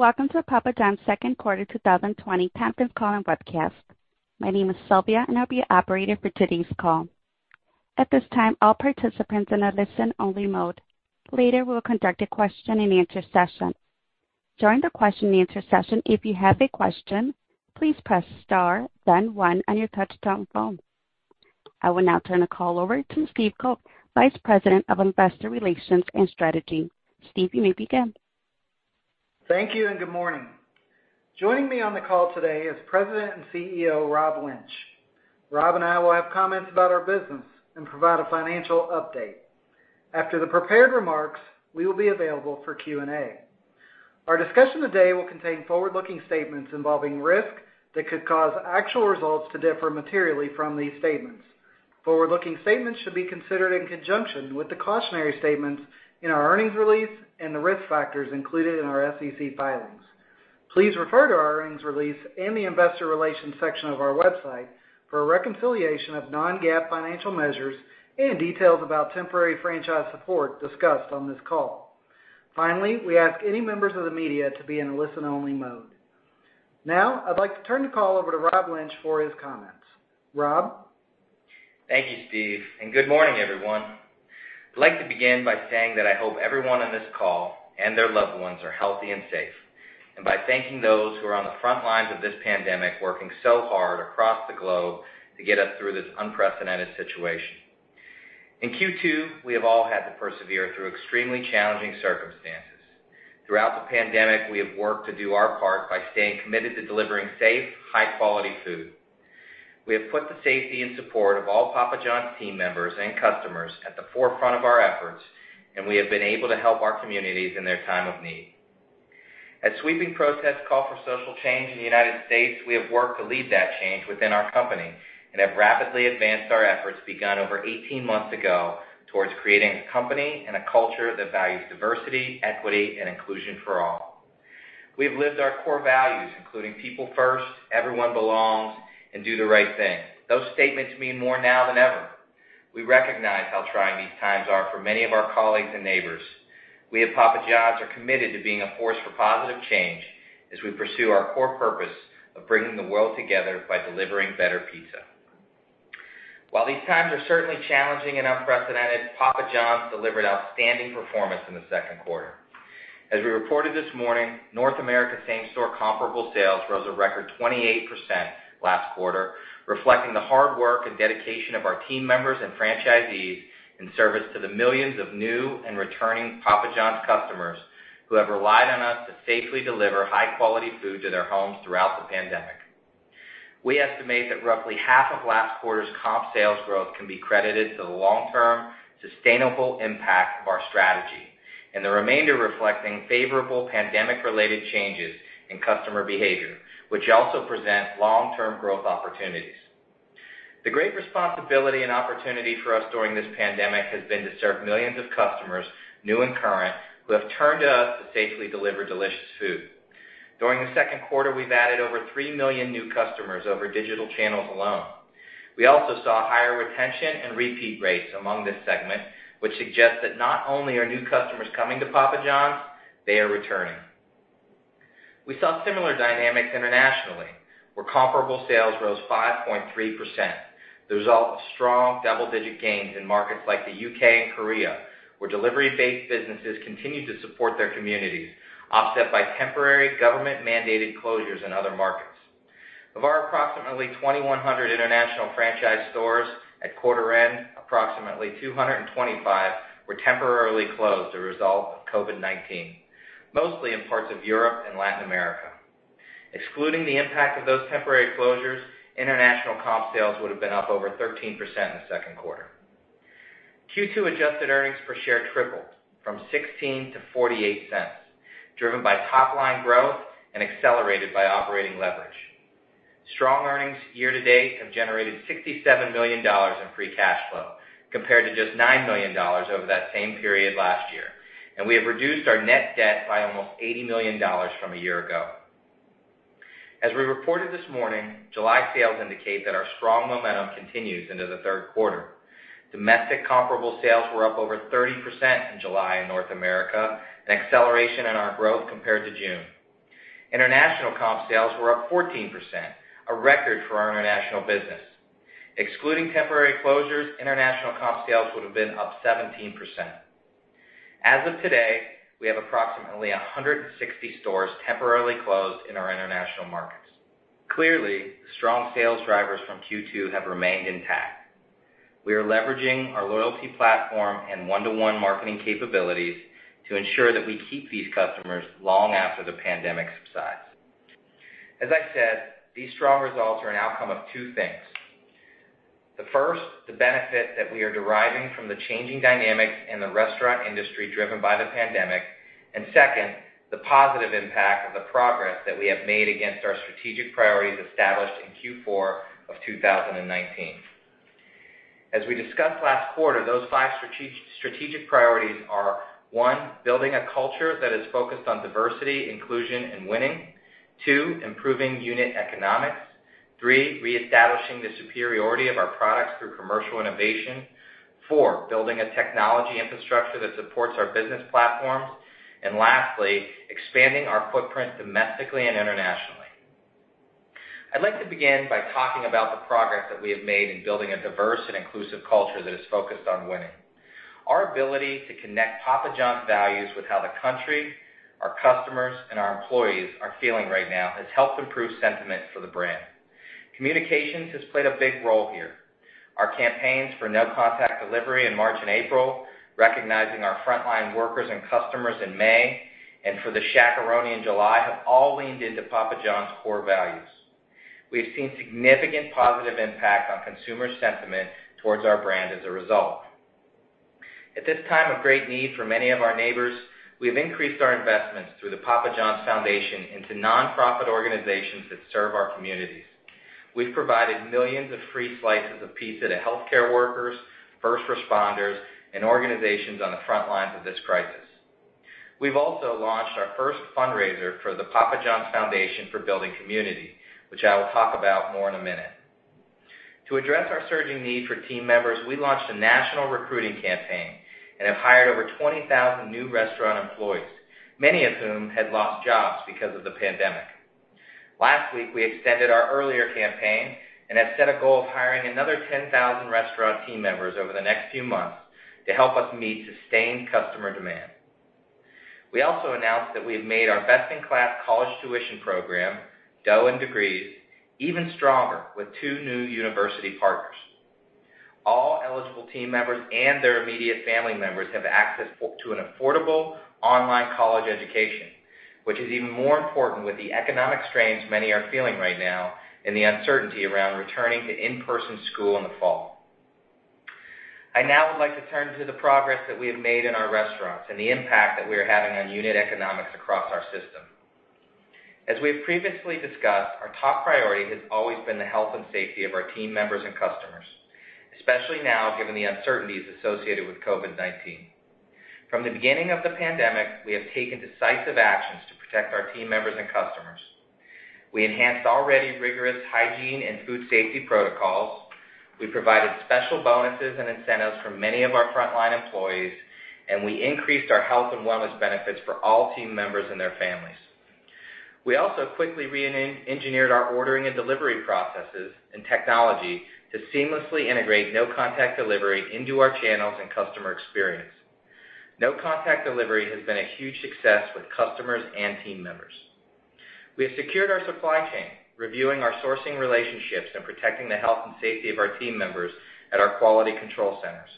Welcome to Papa John's Second Quarter 2020 Conference Call and Webcast. My name is Sylvia, and I'll be your operator for today's call. At this time, all participants are in a listen-only mode. Later, we will conduct a question and answer session. During the question and answer session, if you have a question, please press star then one on your touchtone phone. I will now turn the call over to Steve Coke, Vice President of Investor Relations and Strategy. Steve, you may begin. Thank you, and good morning. Joining me on the call today is President and CEO, Rob Lynch. Rob and I will have comments about our business and provide a financial update. After the prepared remarks, we will be available for Q&A. Our discussion today will contain forward-looking statements involving risk that could cause actual results to differ materially from these statements. Forward-looking statements should be considered in conjunction with the cautionary statements in our earnings release and the risk factors included in our SEC filings. Please refer to our earnings release in the investor relations section of our website for a reconciliation of non-GAAP financial measures and details about temporary franchise support discussed on this call. Finally, we ask any members of the media to be in a listen-only mode. Now, I'd like to turn the call over to Rob Lynch for his comments. Rob? Thank you, Steve. Good morning, everyone. I'd like to begin by saying that I hope everyone on this call and their loved ones are healthy and safe, and by thanking those who are on the front lines of this pandemic, working so hard across the globe to get us through this unprecedented situation. In Q2, we have all had to persevere through extremely challenging circumstances. Throughout the pandemic, we have worked to do our part by staying committed to delivering safe, high-quality food. We have put the safety and support of all Papa John's team members and customers at the forefront of our efforts, and we have been able to help our communities in their time of need. As sweeping protests call for social change in the United States, we have worked to lead that change within our company and have rapidly advanced our efforts begun over 18 months ago towards creating a company and a culture that values diversity, equity, and inclusion for all. We have lived our core values, including people first, everyone belongs, and do the right thing. Those statements mean more now than ever. We recognize how trying these times are for many of our colleagues and neighbors. We at Papa John's are committed to being a force for positive change as we pursue our core purpose of bringing the world together by delivering better pizza. While these times are certainly challenging and unprecedented, Papa John's delivered outstanding performance in the second quarter. As we reported this morning, North America same-store comparable sales rose a record 28% last quarter, reflecting the hard work and dedication of our team members and franchisees in service to the millions of new and returning Papa John's customers who have relied on us to safely deliver high-quality food to their homes throughout the pandemic. We estimate that roughly half of last quarter's comp sales growth can be credited to the long-term, sustainable impact of our strategy, and the remainder reflecting favorable pandemic-related changes in customer behavior, which also present long-term growth opportunities. The great responsibility and opportunity for us during this pandemic has been to serve millions of customers, new and current, who have turned to us to safely deliver delicious food. During the second quarter, we've added over 3 million new customers over digital channels alone. We also saw higher retention and repeat rates among this segment, which suggests that not only are new customers coming to Papa John's, they are returning. We saw similar dynamics internationally, where comparable sales rose 5.3%, the result of strong double-digit gains in markets like the U.K. and Korea, where delivery-based businesses continue to support their communities, offset by temporary government-mandated closures in other markets. Of our approximately 2,100 international franchise stores at quarter end, approximately 225 were temporarily closed a result of COVID-19, mostly in parts of Europe and Latin America. Excluding the impact of those temporary closures, international comp sales would've been up over 13% in the second quarter. Q2 adjusted earnings per share tripled from $0.16-$0.48, driven by top-line growth and accelerated by operating leverage. Strong earnings year to date have generated $67 million in free cash flow, compared to just $9 million over that same period last year, and we have reduced our net debt by almost $80 million from a year ago. As we reported this morning, July sales indicate that our strong momentum continues into the third quarter. Domestic comparable sales were up over 30% in July in North America, an acceleration in our growth compared to June. International comp sales were up 14%, a record for our international business. Excluding temporary closures, international comp sales would've been up 17%. As of today, we have approximately 160 stores temporarily closed in our international markets. Clearly, strong sales drivers from Q2 have remained intact. We are leveraging our loyalty platform and one-to-one marketing capabilities to ensure that we keep these customers long after the pandemic subsides. As I said, these strong results are an outcome of two things. The first, the benefit that we are deriving from the changing dynamics in the restaurant industry driven by the pandemic, and second, the positive impact of the progress that we have made against our strategic priorities established in Q4 of 2019. As we discussed last quarter, those five strategic priorities are, one, building a culture that is focused on diversity, inclusion, and winning, two, improving unit economics, three, reestablishing the superiority of our products through commercial innovation, four, building a technology infrastructure that supports our business platforms, and lastly, expanding our footprint domestically and internationally. I'd like to begin by talking about the progress that we have made in building a diverse and inclusive culture that is focused on winning. Our ability to connect Papa John's values with how the country, our customers, and our employees are feeling right now has helped improve sentiment for the brand. Communications has played a big role here. Our campaigns for no contact delivery in March and April, recognizing our frontline workers and customers in May, and for the Shaq-a-Roni in July, have all leaned into Papa John's core values. We have seen significant positive impact on consumer sentiment towards our brand as a result. At this time of great need for many of our neighbors, we have increased our investments through The Papa John's Foundation into nonprofit organizations that serve our communities. We've provided millions of free slices of pizza to healthcare workers, first responders, and organizations on the front lines of this crisis. We've also launched our first fundraiser for The Papa John's Foundation for Building Community, which I will talk about more in a minute. To address our surging need for team members, we launched a national recruiting campaign and have hired over 20,000 new restaurant employees, many of whom had lost jobs because of the pandemic. Last week, we extended our earlier campaign and have set a goal of hiring another 10,000 restaurant team members over the next few months to help us meet sustained customer demand. We also announced that we have made our best-in-class college tuition program, Dough & Degrees, even stronger with two new university partners. All eligible team members and their immediate family members have access to an affordable online college education, which is even more important with the economic strains many are feeling right now and the uncertainty around returning to in-person school in the fall. I now would like to turn to the progress that we have made in our restaurants and the impact that we are having on unit economics across our system. As we have previously discussed, our top priority has always been the health and safety of our team members and customers, especially now, given the uncertainties associated with COVID-19. From the beginning of the pandemic, we have taken decisive actions to protect our team members and customers. We enhanced already rigorous hygiene and food safety protocols, we provided special bonuses and incentives for many of our frontline employees, and we increased our health and wellness benefits for all team members and their families. We also quickly reengineered our ordering and delivery processes and technology to seamlessly integrate no contact delivery into our channels and customer experience. No contact delivery has been a huge success with customers and team members. We have secured our supply chain, reviewing our sourcing relationships and protecting the health and safety of our team members at our quality control centers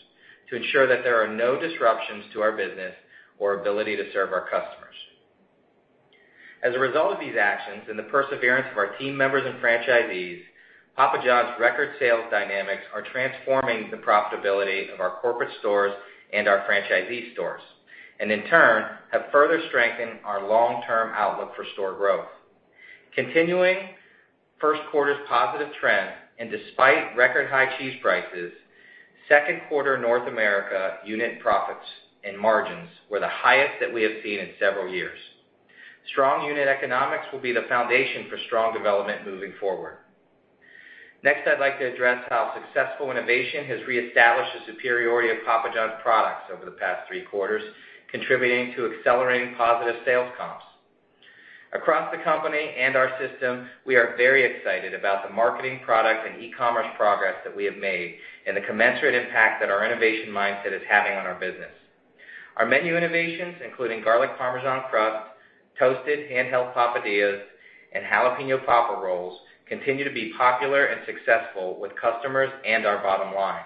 to ensure that there are no disruptions to our business or ability to serve our customers. As a result of these actions and the perseverance of our team members and franchisees, Papa John's record sales dynamics are transforming the profitability of our corporate stores and our franchisee stores, and in turn, have further strengthened our long-term outlook for store growth. Continuing first quarter's positive trend, and despite record high cheese prices, second quarter North America unit profits and margins were the highest that we have seen in several years. Strong unit economics will be the foundation for strong development moving forward. Next, I'd like to address how successful innovation has reestablished the superiority of Papa John's products over the past three quarters, contributing to accelerating positive sales comps. Across the company and our system, we are very excited about the marketing product and e-commerce progress that we have made and the commensurate impact that our innovation mindset is having on our business. Our menu innovations, including Garlic Parmesan Crust, Toasted Handheld Papadias, and Jalapeño Popper Rolls, continue to be popular and successful with customers and our bottom line.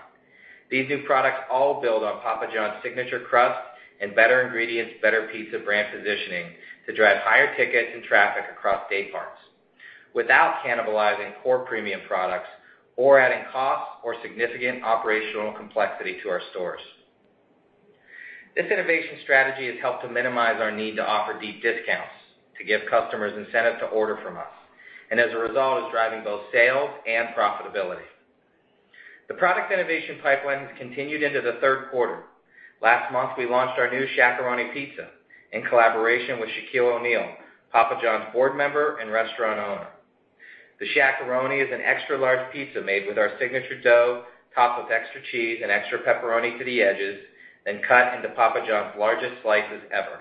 These new products all build on Papa John's signature crust and better ingredients, better pizza brand positioning to drive higher ticket and traffic across dayparts without cannibalizing core premium products or adding costs or significant operational complexity to our stores. This innovation strategy has helped to minimize our need to offer deep discounts to give customers incentive to order from us, and as a result, is driving both sales and profitability. The product innovation pipeline has continued into the third quarter. Last month, we launched our new Shaq-a-Roni pizza in collaboration with Shaquille O'Neal, Papa John's board member and restaurant owner. The Shaq-a-Roni is an extra large pizza made with our signature dough, topped with extra cheese and extra pepperoni to the edges, then cut into Papa John's largest slices ever.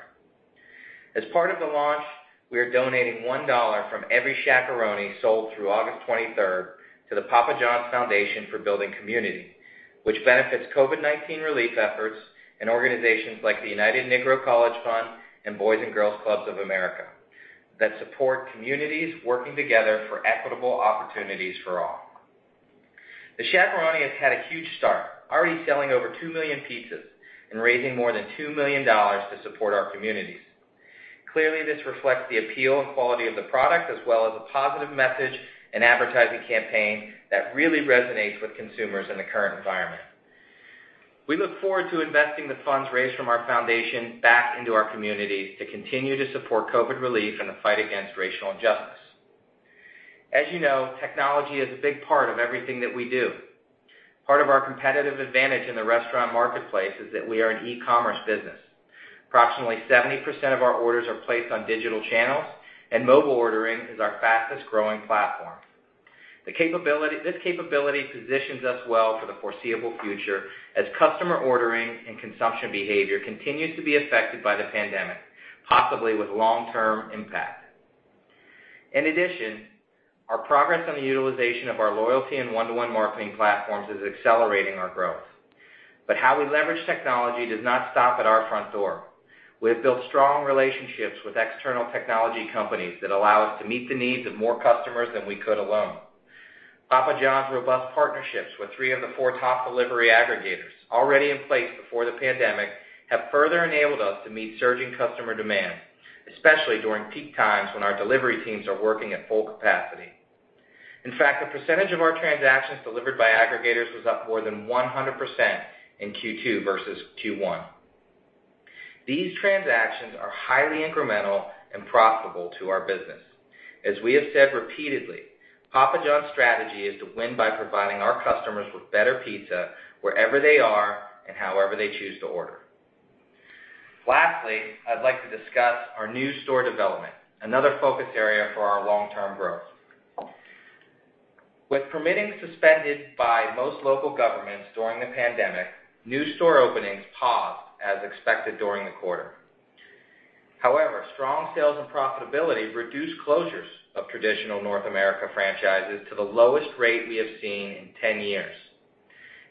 As part of the launch, we are donating $1 from every Shaq-a-Roni sold through August 23rd to The Papa John's Foundation for Building Community, which benefits COVID-19 relief efforts and organizations like the United Negro College Fund and Boys & Girls Clubs of America that support communities working together for equitable opportunities for all. The Shaq-a-Roni has had a huge start, already selling over 2 million pizzas and raising more than $2 million to support our communities. Clearly, this reflects the appeal and quality of the product, as well as a positive message and advertising campaign that really resonates with consumers in the current environment. We look forward to investing the funds raised from our foundation back into our communities to continue to support COVID relief and the fight against racial injustice. As you know, technology is a big part of everything that we do. Part of our competitive advantage in the restaurant marketplace is that we are an e-commerce business. Approximately 70% of our orders are placed on digital channels, and mobile ordering is our fastest-growing platform. This capability positions us well for the foreseeable future as customer ordering and consumption behavior continues to be affected by the pandemic, possibly with long-term impact. In addition, our progress on the utilization of our loyalty and one-to-one marketing platforms is accelerating our growth. How we leverage technology does not stop at our front door. We have built strong relationships with external technology companies that allow us to meet the needs of more customers than we could alone. Papa John's robust partnerships with three of the four top delivery aggregators, already in place before the pandemic, have further enabled us to meet surging customer demands, especially during peak times when our delivery teams are working at full capacity. In fact, the percentage of our transactions delivered by aggregators was up more than 100% in Q2 versus Q1. These transactions are highly incremental and profitable to our business. As we have said repeatedly, Papa John's strategy is to win by providing our customers with better pizza wherever they are and however they choose to order. Lastly, I'd like to discuss our new store development, another focus area for our long-term growth. With permitting suspended by most local governments during the pandemic, new store openings paused as expected during the quarter. However, strong sales and profitability reduced closures of traditional North America franchises to the lowest rate we have seen in 10 years.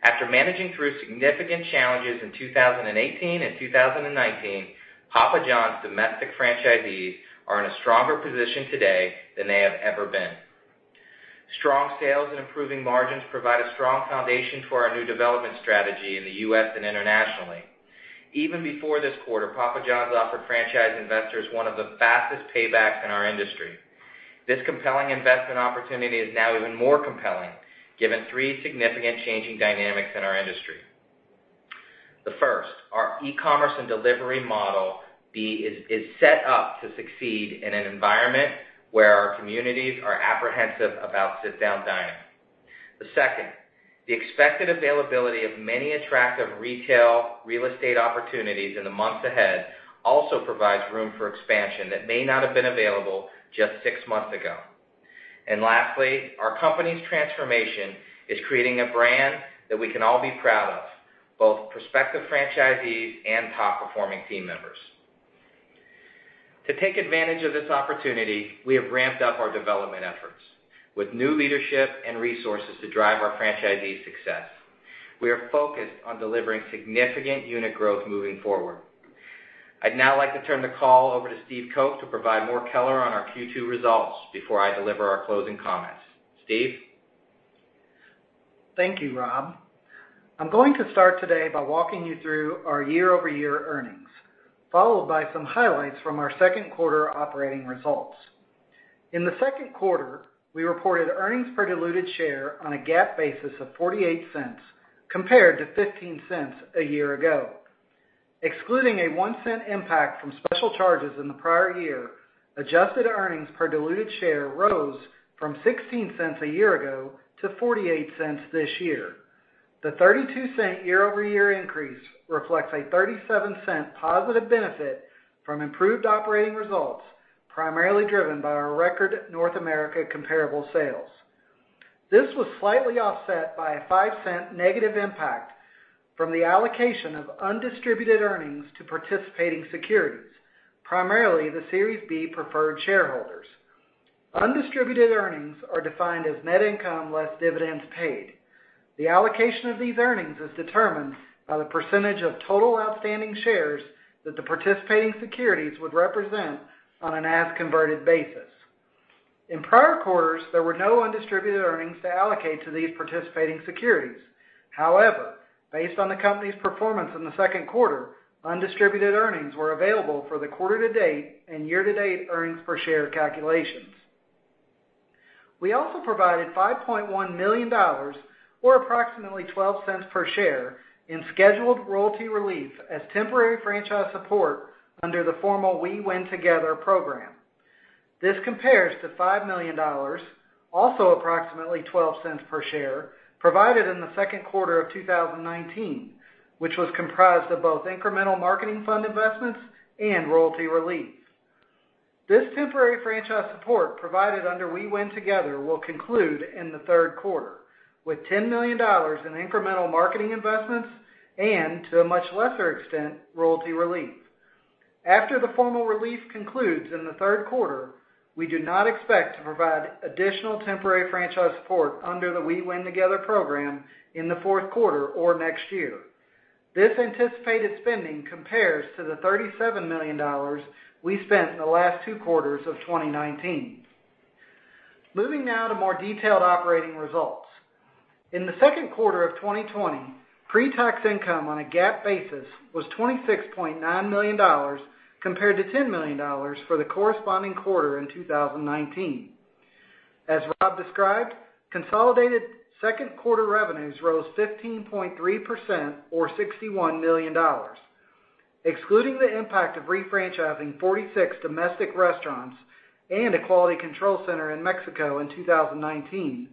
After managing through significant challenges in 2018 and 2019, Papa John's domestic franchisees are in a stronger position today than they have ever been. Strong sales and improving margins provide a strong foundation for our new development strategy in the U.S. and internationally. Even before this quarter, Papa John's offered franchise investors one of the fastest paybacks in our industry. This compelling investment opportunity is now even more compelling given three significant changing dynamics in our industry. The first, our e-commerce and delivery model is set up to succeed in an environment where our communities are apprehensive about sit-down dining. The second, the expected availability of many attractive retail real estate opportunities in the months ahead also provides room for expansion that may not have been available just six months ago. Lastly, our company's transformation is creating a brand that we can all be proud of, both prospective franchisees and top-performing team members. To take advantage of this opportunity, we have ramped up our development efforts with new leadership and resources to drive our franchisees' success. We are focused on delivering significant unit growth moving forward. I'd now like to turn the call over to Steve Coke to provide more color on our Q2 results before I deliver our closing comments. Steve? Thank you, Rob. I'm going to start today by walking you through our year-over-year earnings, followed by some highlights from our second quarter operating results. In the second quarter, we reported earnings per diluted share on a GAAP basis of $0.48 compared to $0.15 a year ago. Excluding a $0.01 impact from special charges in the prior year, adjusted earnings per diluted share rose from $0.16 a year ago to $0.48 this year. The $0.32 year-over-year increase reflects a $0.37 positive benefit from improved operating results, primarily driven by our record North America comparable sales. This was slightly offset by a $0.05 negative impact from the allocation of undistributed earnings to participating securities, primarily the Series B preferred shareholders. Undistributed earnings are defined as net income less dividends paid. The allocation of these earnings is determined by the percentage of total outstanding shares that the participating securities would represent on an as-converted basis. In prior quarters, there were no undistributed earnings to allocate to these participating securities. However, based on the company's performance in the second quarter, undistributed earnings were available for the quarter to date and year to date earnings per share calculations. We also provided $5.1 million, or approximately $0.12 per share, in scheduled royalty relief as temporary franchise support under the formal We Win Together program. This compares to $5 million, also approximately $0.12 per share, provided in the second quarter of 2019, which was comprised of both incremental marketing fund investments and royalty relief. This temporary franchise support provided under We Win Together will conclude in the third quarter, with $10 million in incremental marketing investments, and to a much lesser extent, royalty relief. After the formal relief concludes in the third quarter, we do not expect to provide additional temporary franchise support under the We Win Together program in the fourth quarter or next year. This anticipated spending compares to the $37 million we spent in the last two quarters of 2019. Moving now to more detailed operating results. In the second quarter of 2020, pre-tax income on a GAAP basis was $26.9 million, compared to $10 million for the corresponding quarter in 2019. As Rob described, consolidated second quarter revenues rose 15.3%, or $61 million. Excluding the impact of refranchising 46 domestic restaurants and a quality control center in Mexico in 2019,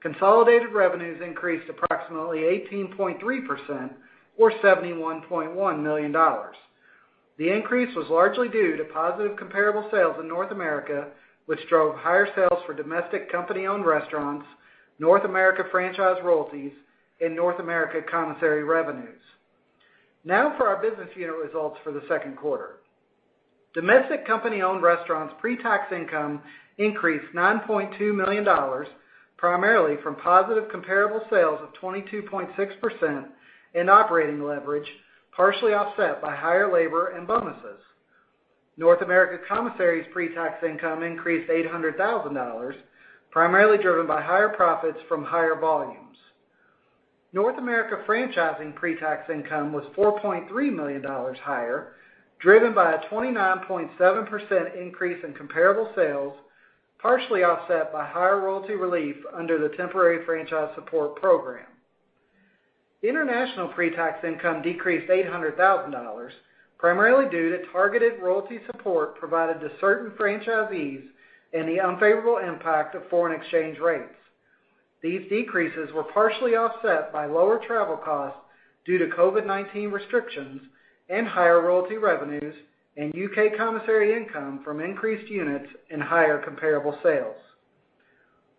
consolidated revenues increased approximately 18.3%, or $71.1 million. The increase was largely due to positive comparable sales in North America, which drove higher sales for domestic company-owned restaurants, North America franchise royalties, and North America commissary revenues. Now for our business unit results for the second quarter. Domestic company-owned restaurants' pre-tax income increased $9.2 million, primarily from positive comparable sales of 22.6% and operating leverage, partially offset by higher labor and bonuses. North America commissary's pre-tax income increased $800,000, primarily driven by higher profits from higher volumes. North America franchising pre-tax income was $4.3 million higher, driven by a 29.7% increase in comparable sales, partially offset by higher royalty relief under the temporary franchise support program. International pre-tax income decreased $800,000, primarily due to targeted royalty support provided to certain franchisees and the unfavorable impact of foreign exchange rates. These decreases were partially offset by lower travel costs due to COVID-19 restrictions and higher royalty revenues and U.K. commissary income from increased units and higher comparable sales.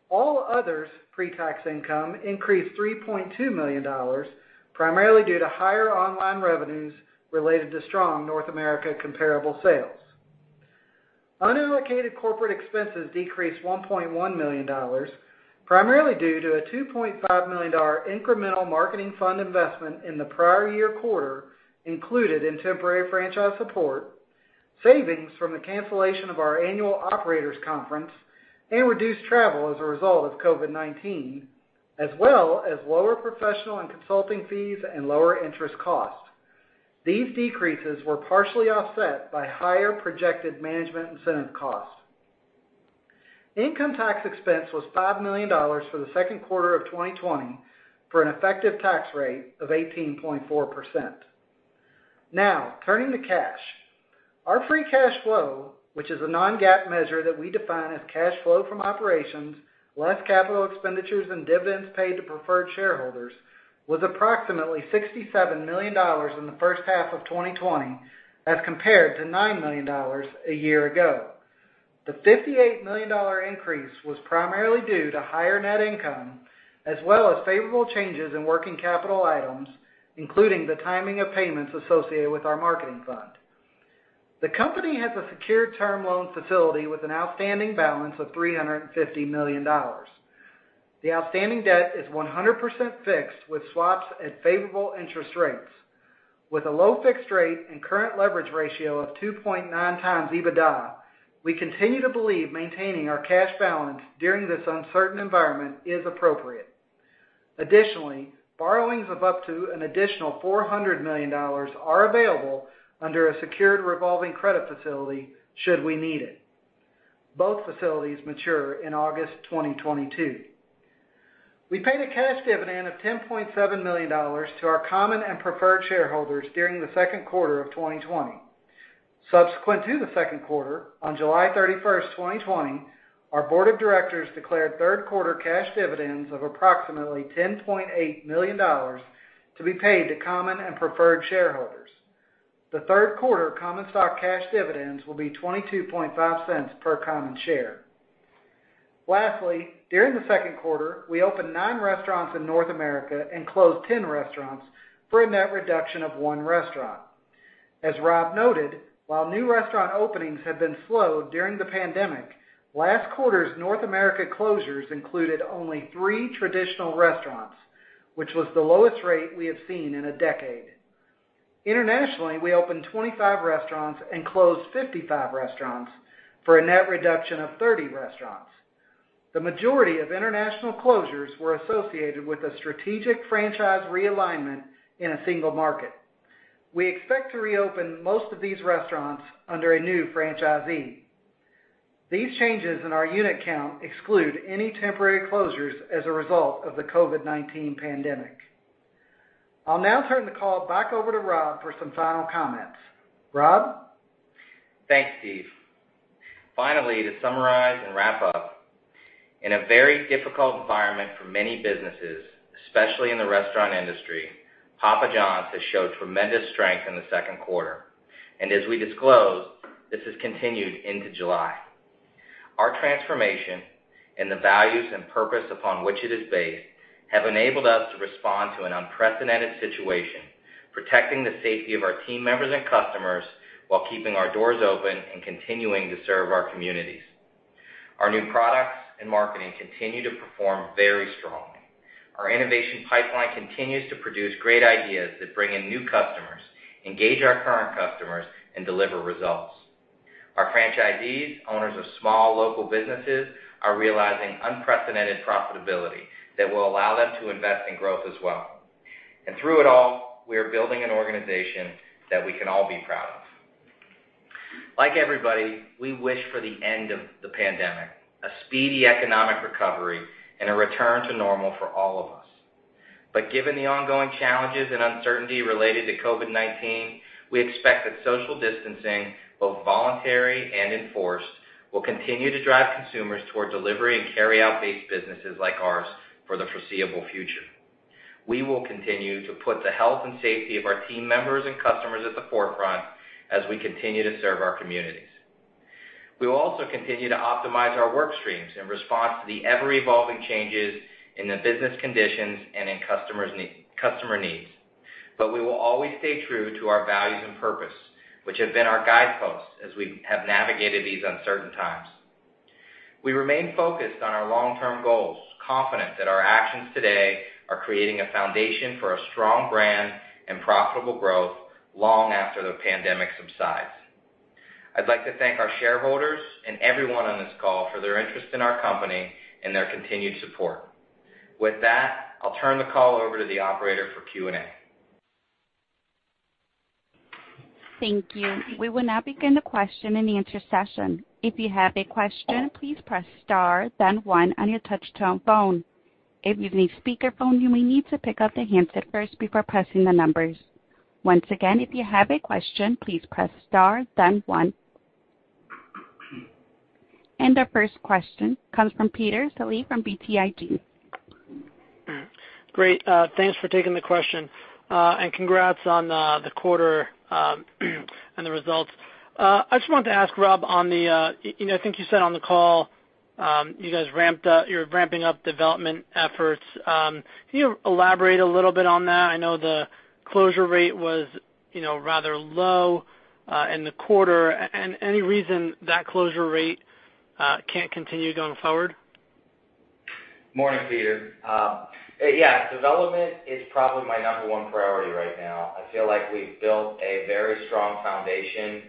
All others' pre-tax income increased $3.2 million, primarily due to higher online revenues related to strong North America comparable sales. Unallocated corporate expenses decreased $1.1 million, primarily due to a $2.5 million incremental marketing fund investment in the prior year quarter included in temporary franchise support, savings from the cancellation of our annual operators conference, and reduced travel as a result of COVID-19, as well as lower professional and consulting fees and lower interest costs. These decreases were partially offset by higher projected management incentive costs. Income tax expense was $5 million for the second quarter of 2020, for an effective tax rate of 18.4%. Now, turning to cash. Our free cash flow, which is a non-GAAP measure that we define as cash flow from operations, less capital expenditures and dividends paid to preferred shareholders, was approximately $67 million in the first half of 2020 as compared to $9 million a year ago. The $58 million increase was primarily due to higher net income, as well as favorable changes in working capital items, including the timing of payments associated with our marketing fund. The company has a secured term loan facility with an outstanding balance of $350 million. The outstanding debt is 100% fixed with swaps at favorable interest rates. With a low fixed rate and current leverage ratio of 2.9x EBITDA, we continue to believe maintaining our cash balance during this uncertain environment is appropriate. Additionally, borrowings of up to an additional $400 million are available under a secured revolving credit facility, should we need it. Both facilities mature in August 2022. We paid a cash dividend of $10.7 million to our common and preferred shareholders during the second quarter of 2020. Subsequent to the second quarter, on July 31, 2020, our board of directors declared third quarter cash dividends of approximately $10.8 million to be paid to common and preferred shareholders. The third quarter common stock cash dividends will be $0.225 per common share. Lastly, during the second quarter, we opened nine restaurants in North America and closed 10 restaurants, for a net reduction of one restaurant. As Rob noted, while new restaurant openings have been slow during the pandemic, last quarter's North America closures included only three traditional restaurants, which was the lowest rate we have seen in a decade. Internationally, we opened 25 restaurants and closed 55 restaurants for a net reduction of 30 restaurants. The majority of international closures were associated with a strategic franchise realignment in a single market. We expect to reopen most of these restaurants under a new franchisee. These changes in our unit count exclude any temporary closures as a result of the COVID-19 pandemic. I'll now turn the call back over to Rob for some final comments. Rob? Thanks, Steve. Finally, to summarize and wrap up, in a very difficult environment for many businesses, especially in the restaurant industry, Papa John's has showed tremendous strength in the second quarter, and as we disclosed, this has continued into July. Our transformation and the values and purpose upon which it is based have enabled us to respond to an unprecedented situation, protecting the safety of our team members and customers while keeping our doors open and continuing to serve our communities. Our new products and marketing continue to perform very strongly. Our innovation pipeline continues to produce great ideas that bring in new customers, engage our current customers, and deliver results. Our franchisees, owners of small local businesses, are realizing unprecedented profitability that will allow them to invest in growth as well. Through it all, we are building an organization that we can all be proud of. Like everybody, we wish for the end of the pandemic, a speedy economic recovery, and a return to normal for all of us. Given the ongoing challenges and uncertainty related to COVID-19, we expect that social distancing, both voluntary and enforced, will continue to drive consumers toward delivery and carryout-based businesses like ours for the foreseeable future. We will continue to put the health and safety of our team members and customers at the forefront as we continue to serve our communities. We will also continue to optimize our work streams in response to the ever-evolving changes in the business conditions and in customer needs. We will always stay true to our values and purpose, which have been our guideposts as we have navigated these uncertain times. We remain focused on our long-term goals, confident that our actions today are creating a foundation for a strong brand and profitable growth long after the pandemic subsides. I'd like to thank our shareholders and everyone on this call for their interest in our company and their continued support. With that, I'll turn the call over to the operator for Q&A. Thank you. We will now begin the question and answer session. If you have a question, please press star then one on your touch-tone phone. If you're on speakerphone, you may need to pick up the handset first before pressing the numbers. Once again, if you have a question, please press star then one. Our first question comes from Peter Saleh from BTIG. Great. Thanks for taking the question, congrats on the quarter and the results. I just wanted to ask Rob, I think you said on the call you're ramping up development efforts. Can you elaborate a little bit on that? I know the closure rate was rather low in the quarter. Any reason that closure rate can't continue going forward? Morning, Peter. Yeah, development is probably my number one priority right now. I feel like we've built a very strong foundation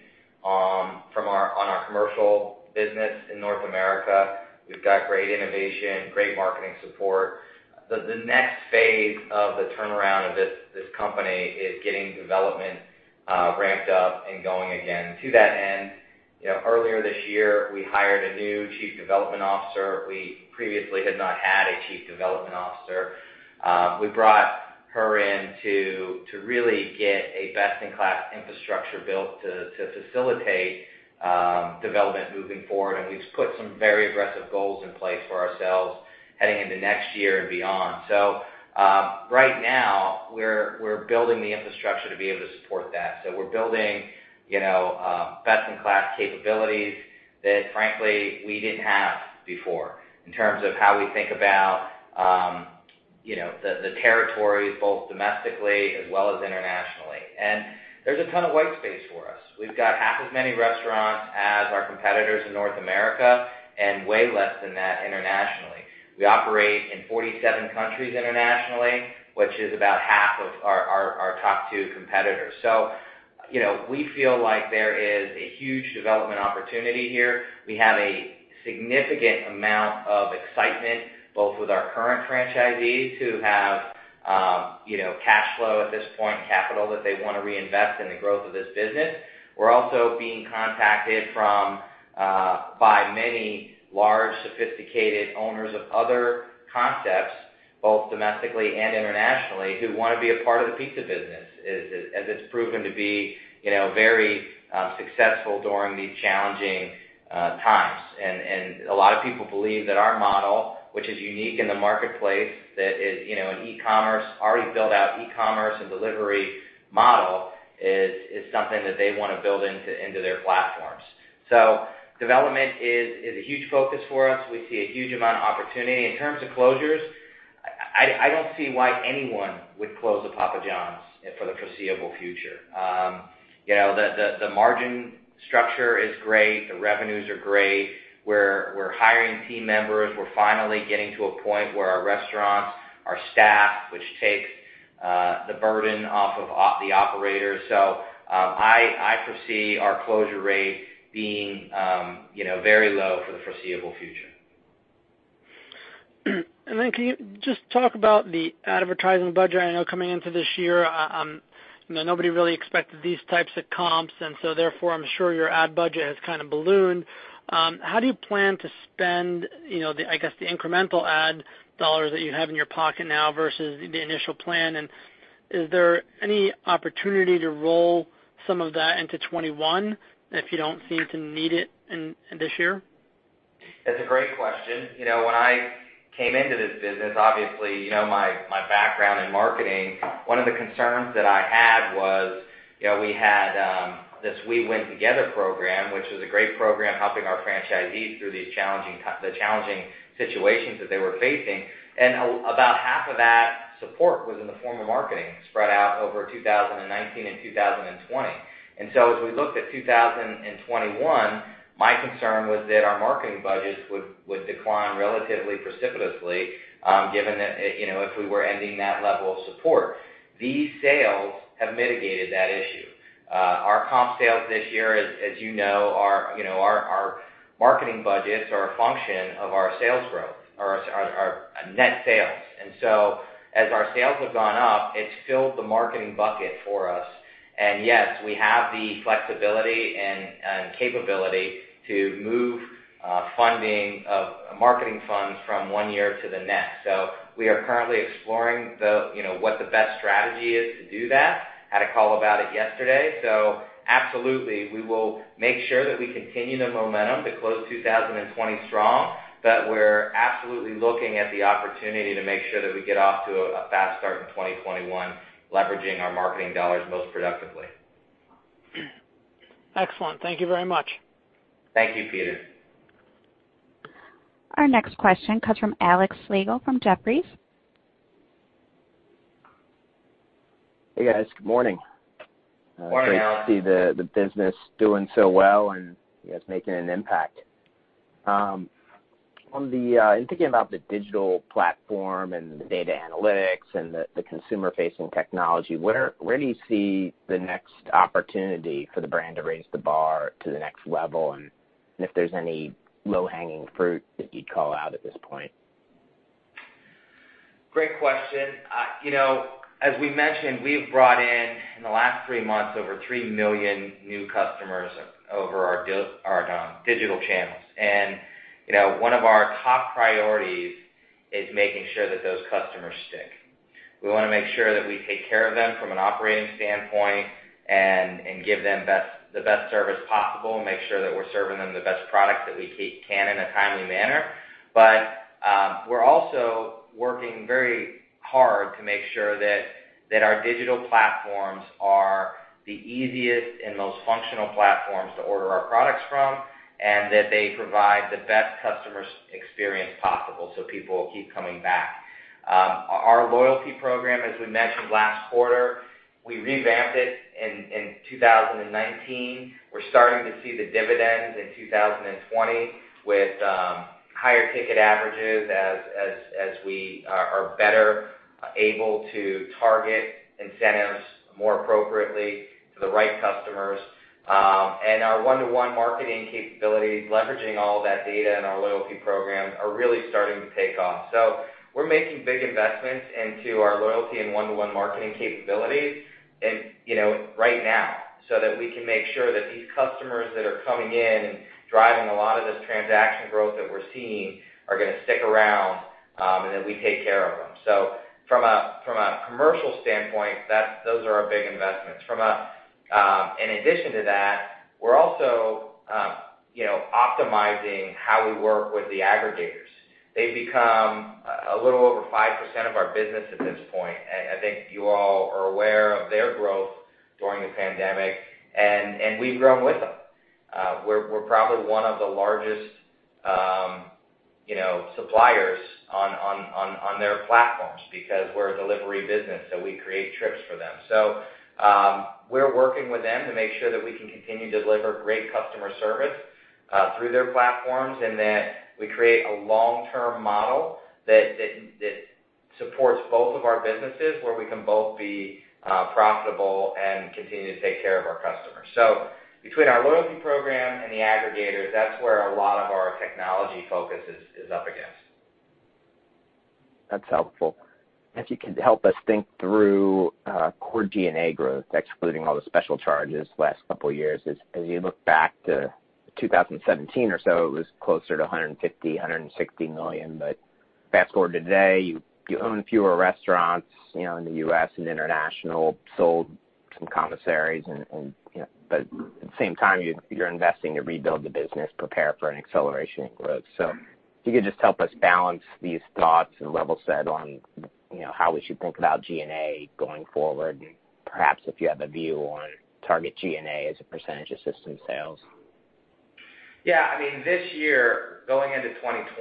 on our commercial business in North America. We've got great innovation, great marketing support. The next phase of the turnaround of this company is getting development ramped up and going again. To that end, earlier this year, we hired a new chief development officer. We previously had not had a chief development officer. We brought her in to really get a best-in-class infrastructure built to facilitate development moving forward, and we've put some very aggressive goals in place for ourselves heading into next year and beyond. Right now, we're building the infrastructure to be able to support that. We're building best-in-class capabilities that frankly, we didn't have before in terms of how we think about the territories, both domestically as well as internationally. There's a ton of white space for us. We've got half as many restaurants as our competitors in North America and way less than that internationally. We operate in 47 countries internationally, which is about half of our top two competitors. We feel like there is a huge development opportunity here. We have a significant amount of excitement both with our current franchisees who have cash flow at this point, capital that they want to reinvest in the growth of this business. We're also being contacted by many large, sophisticated owners of other concepts, both domestically and internationally, who want to be a part of the pizza business, as it's proven to be very successful during these challenging times. A lot of people believe that our model, which is unique in the marketplace, that an e-commerce, already built out e-commerce and delivery model, is something that they want to build into their platforms. Development is a huge focus for us. We see a huge amount of opportunity. In terms of closures, I don't see why anyone would close a Papa John's for the foreseeable future. The margin structure is great. The revenues are great. We're hiring team members. We're finally getting to a point where our restaurants are staffed, which takes the burden off of the operators. I foresee our closure rate being very low for the foreseeable future. Can you just talk about the advertising budget? I know coming into this year, nobody really expected these types of comps. Therefore, I'm sure your ad budget has kind of ballooned. How do you plan to spend the incremental ad dollars that you have in your pocket now versus the initial plan? Is there any opportunity to roll some of that into 2021 if you don't seem to need it in this year? That's a great question. When I came into this business, obviously, my background in marketing, one of the concerns that I had was we had this We Win Together program, which was a great program helping our franchisees through the challenging situations that they were facing. About half of that support was in the form of marketing spread out over 2019 and 2020. As we looked at 2021, my concern was that our marketing budgets would decline relatively precipitously, given that if we were ending that level of support. These sales have mitigated that issue. Our comp sales this year, as you know, Marketing budgets are a function of our sales growth or our net sales. As our sales have gone up, it's filled the marketing bucket for us. Yes, we have the flexibility and capability to move marketing funds from one year to the next. We are currently exploring what the best strategy is to do that. Had a call about it yesterday. Absolutely, we will make sure that we continue the momentum to close 2020 strong, we're absolutely looking at the opportunity to make sure that we get off to a fast start in 2021, leveraging our marketing dollars most productively. Excellent. Thank you very much. Thank you, Peter. Our next question comes from Alex Slagle from Jefferies. Hey, guys. Good morning. Morning, Alex. Great to see the business doing so well, and you guys making an impact. In thinking about the digital platform and the data analytics and the consumer-facing technology, where do you see the next opportunity for the brand to raise the bar to the next level? If there's any low-hanging fruit that you'd call out at this point? Great question. As we mentioned, we've brought in the last three months, over 3 million new customers over our digital channels. One of our top priorities is making sure that those customers stick. We want to make sure that we take care of them from an operating standpoint and give them the best service possible and make sure that we're serving them the best product that we can in a timely manner. We're also working very hard to make sure that our digital platforms are the easiest and most functional platforms to order our products from, and that they provide the best customer experience possible, so people will keep coming back. Our loyalty program, as we mentioned last quarter, we revamped it in 2019. We're starting to see the dividends in 2020 with higher ticket averages as we are better able to target incentives more appropriately to the right customers. Our one-to-one marketing capabilities, leveraging all of that data in our loyalty programs, are really starting to take off. We're making big investments into our loyalty and one-to-one marketing capabilities right now, so that we can make sure that these customers that are coming in and driving a lot of this transaction growth that we're seeing are going to stick around, and that we take care of them. From a commercial standpoint, those are our big investments. In addition to that, we're also optimizing how we work with the aggregators. They've become a little over 5% of our business at this point, and I think you all are aware of their growth during the pandemic, and we've grown with them. We're probably one of the largest suppliers on their platforms because we're a delivery business, we create trips for them. We're working with them to make sure that we can continue to deliver great customer service through their platforms, and that we create a long-term model that supports both of our businesses, where we can both be profitable and continue to take care of our customers. Between our loyalty program and the aggregators, that's where a lot of our technology focus is up against. That's helpful. If you could help us think through core G&A growth, excluding all the special charges the last couple of years. As you look back to 2017 or so, it was closer to $150 million, $160 million. Fast-forward to today, you own fewer restaurants in the U.S. and international, sold some commissaries. At the same time, you're investing to rebuild the business, prepare for an acceleration in growth. If you could just help us balance these thoughts and level set on how we should think about G&A going forward, and perhaps if you have a view on target G&A as a percentage of system sales. Yeah. This year, going into 2020,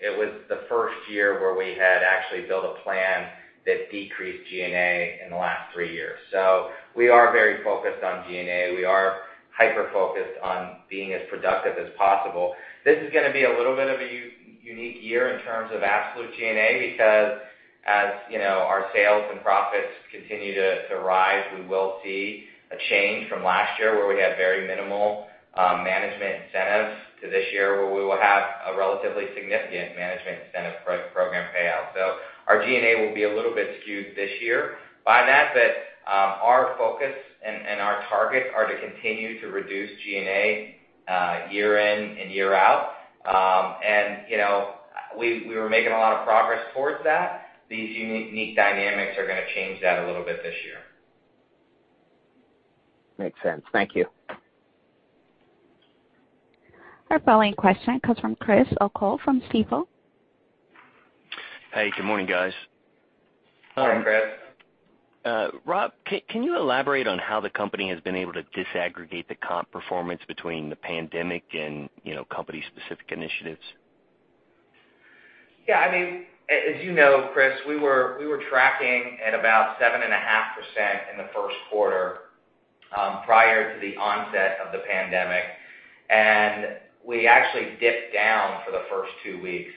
it was the first year where we had actually built a plan that decreased G&A in the last three years. We are very focused on G&A. We are hyper-focused on being as productive as possible. This is going to be a little bit of a unique year in terms of absolute G&A, because as our sales and profits continue to rise, we will see a change from last year where we had very minimal management incentives to this year, where we will have a relatively significant management incentive program payout. Our G&A will be a little bit skewed this year. By and large, our focus and our targets are to continue to reduce G&A year in and year out. We were making a lot of progress towards that. These unique dynamics are going to change that a little bit this year. Makes sense. Thank you. Our following question comes from Chris O'Cull from Stifel. Hey, good morning, guys. Morning, Chris. Rob, can you elaborate on how the company has been able to disaggregate the comp performance between the pandemic and company-specific initiatives? Yeah. As you know, Chris, we were tracking at about 7.5% in the first quarter, prior to the onset of the pandemic. We actually dipped down for the first two weeks.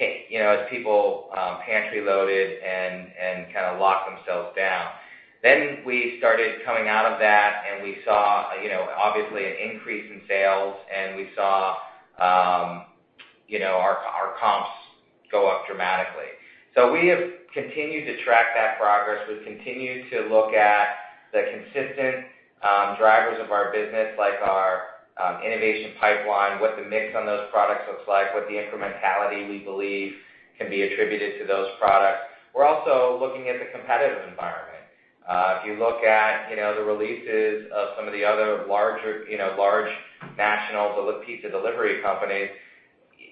As people pantry loaded and locked themselves down then we started coming out of that, and we saw obviously an increase in sales, and we saw our comps go up dramatically. We have continued to track that progress. We've continued to look at the consistent drivers of our business, like our innovation pipeline, what the mix on those products looks like, what the incrementality we believe can be attributed to those products. We're also looking at the competitive environment. If you look at the releases of some of the other large national pizza delivery companies,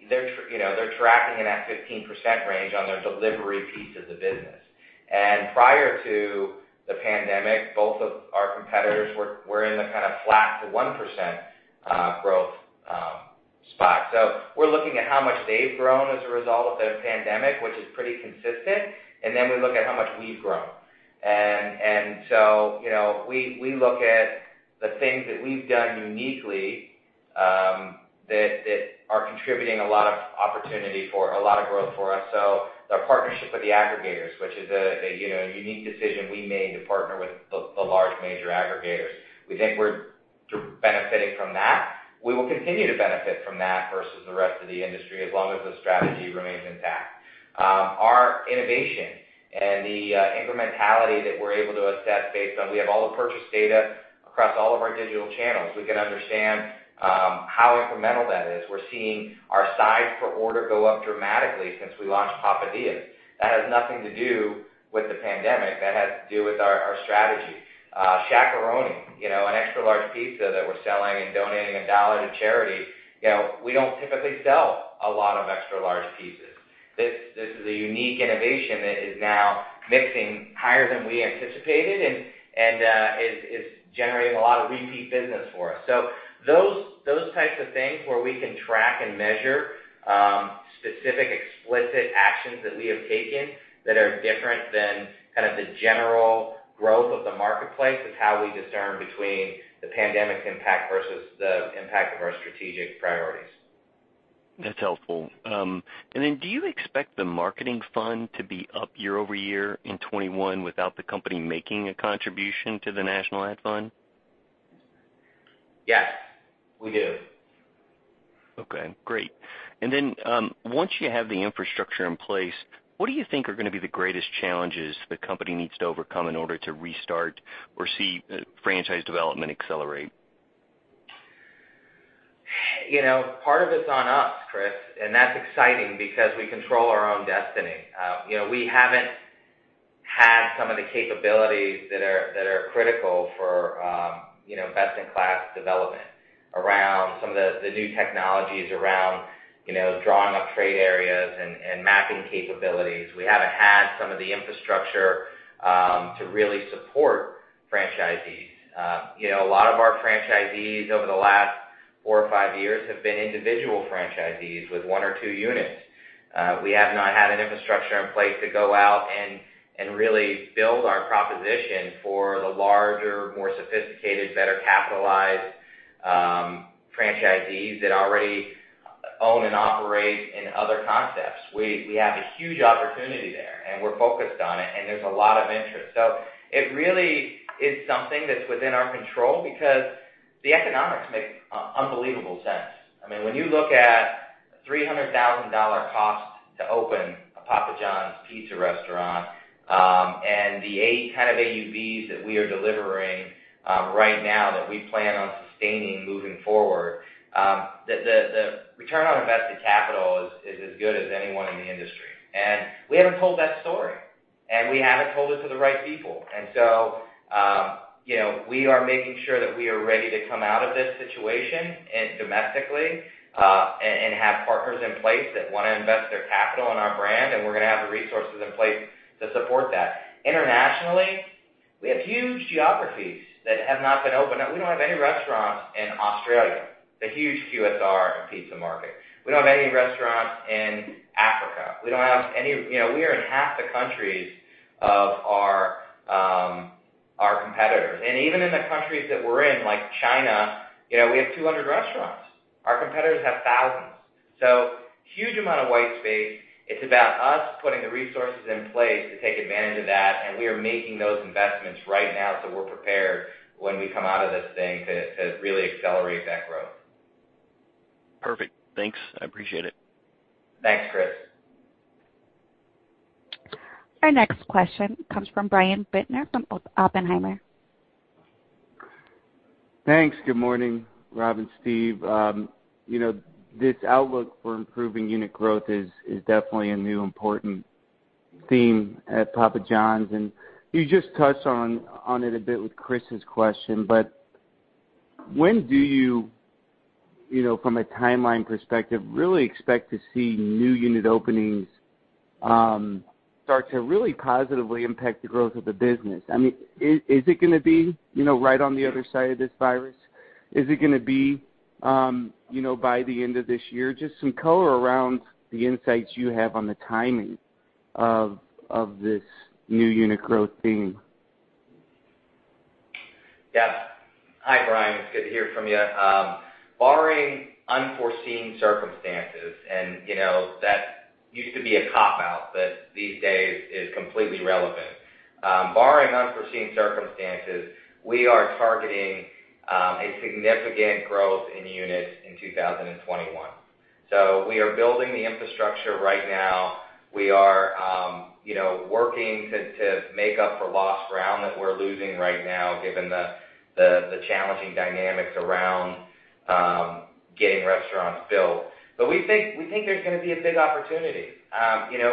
they're tracking in that 15% range on their delivery piece of the business. Prior to the pandemic, both of our competitors were in the kind of flat to 1% growth spot. We're looking at how much they've grown as a result of the pandemic, which is pretty consistent, and then we look at how much we've grown. We look at the things that we've done uniquely, that are contributing a lot of opportunity for a lot of growth for us. The partnership with the aggregators, which is a unique decision we made to partner with the large major aggregators. We think we're benefiting from that. We will continue to benefit from that versus the rest of the industry, as long as the strategy remains intact. Our innovation and the incrementality that we're able to assess based on, we have all the purchase data across all of our digital channels. We can understand how incremental that is. We're seeing our size per order go up dramatically since we launched Papadia. That has nothing to do with the pandemic. That has to do with our strategy. Shaq-a-Roni, an extra large pizza that we're selling and donating a dollar to charity. We don't typically sell a lot of extra large pizzas. This is a unique innovation that is now mixing higher than we anticipated and is generating a lot of repeat business for us. Those types of things where we can track and measure specific explicit actions that we have taken that are different than kind of the general growth of the marketplace is how we discern between the pandemic impact versus the impact of our strategic priorities. That's helpful. Then do you expect the marketing fund to be up year-over-year in 2021 without the company making a contribution to the National Ad Fund? Yes, we do. Okay, great. Then, once you have the infrastructure in place, what do you think are going to be the greatest challenges the company needs to overcome in order to restart or see franchise development accelerate? Part of it's on us, Chris, and that's exciting because we control our own destiny. We haven't had some of the capabilities that are critical for best-in-class development around some of the new technologies around drawing up trade areas and mapping capabilities. We haven't had some of the infrastructure to really support franchisees. A lot of our franchisees over the last four or five years have been individual franchisees with one or two units. We have not had an infrastructure in place to go out and really build our proposition for the larger, more sophisticated, better capitalized franchisees that already own and operate in other concepts. We have a huge opportunity there, and we're focused on it, and there's a lot of interest. It really is something that's within our control because the economics make unbelievable sense. When you look at a $300,000 cost to open a Papa John's pizza restaurant, and the kind of AUV that we are delivering right now that we plan on sustaining moving forward, the return on invested capital is as good as anyone in the industry. We haven't told that story, and we haven't told it to the right people. We are making sure that we are ready to come out of this situation domestically, and have partners in place that want to invest their capital in our brand, and we're going to have the resources in place to support that. Internationally, we have huge geographies that have not been opened up. We don't have any restaurants in Australia, the huge QSR and pizza market. We don't have any restaurants in Africa. We are in half the countries of our competitors. Even in the countries that we're in, like China, we have 200 restaurants. Our competitors have thousands. Huge amount of white space. It's about us putting the resources in place to take advantage of that, and we are making those investments right now so we're prepared when we come out of this thing to really accelerate that growth. Perfect. Thanks. I appreciate it. Thanks, Chris. Our next question comes from Brian Bittner from Oppenheimer. Thanks. Good morning, Rob and Steve. This outlook for improving unit growth is definitely a new important theme at Papa John's, and you just touched on it a bit with Chris's question, but when do you, from a timeline perspective, really expect to see new unit openings start to really positively impact the growth of the business? Is it going to be right on the other side of this virus? Is it going to be by the end of this year? Just some color around the insights you have on the timing of this new unit growth theme? Yes. Hi, Brian. It's good to hear from you. Barring unforeseen circumstances, that used to be a cop-out, but these days is completely relevant. Barring unforeseen circumstances, we are targeting a significant growth in units in 2021. We are building the infrastructure right now. We are working to make up for lost ground that we're losing right now, given the challenging dynamics around getting restaurants built. We think there's going to be a big opportunity.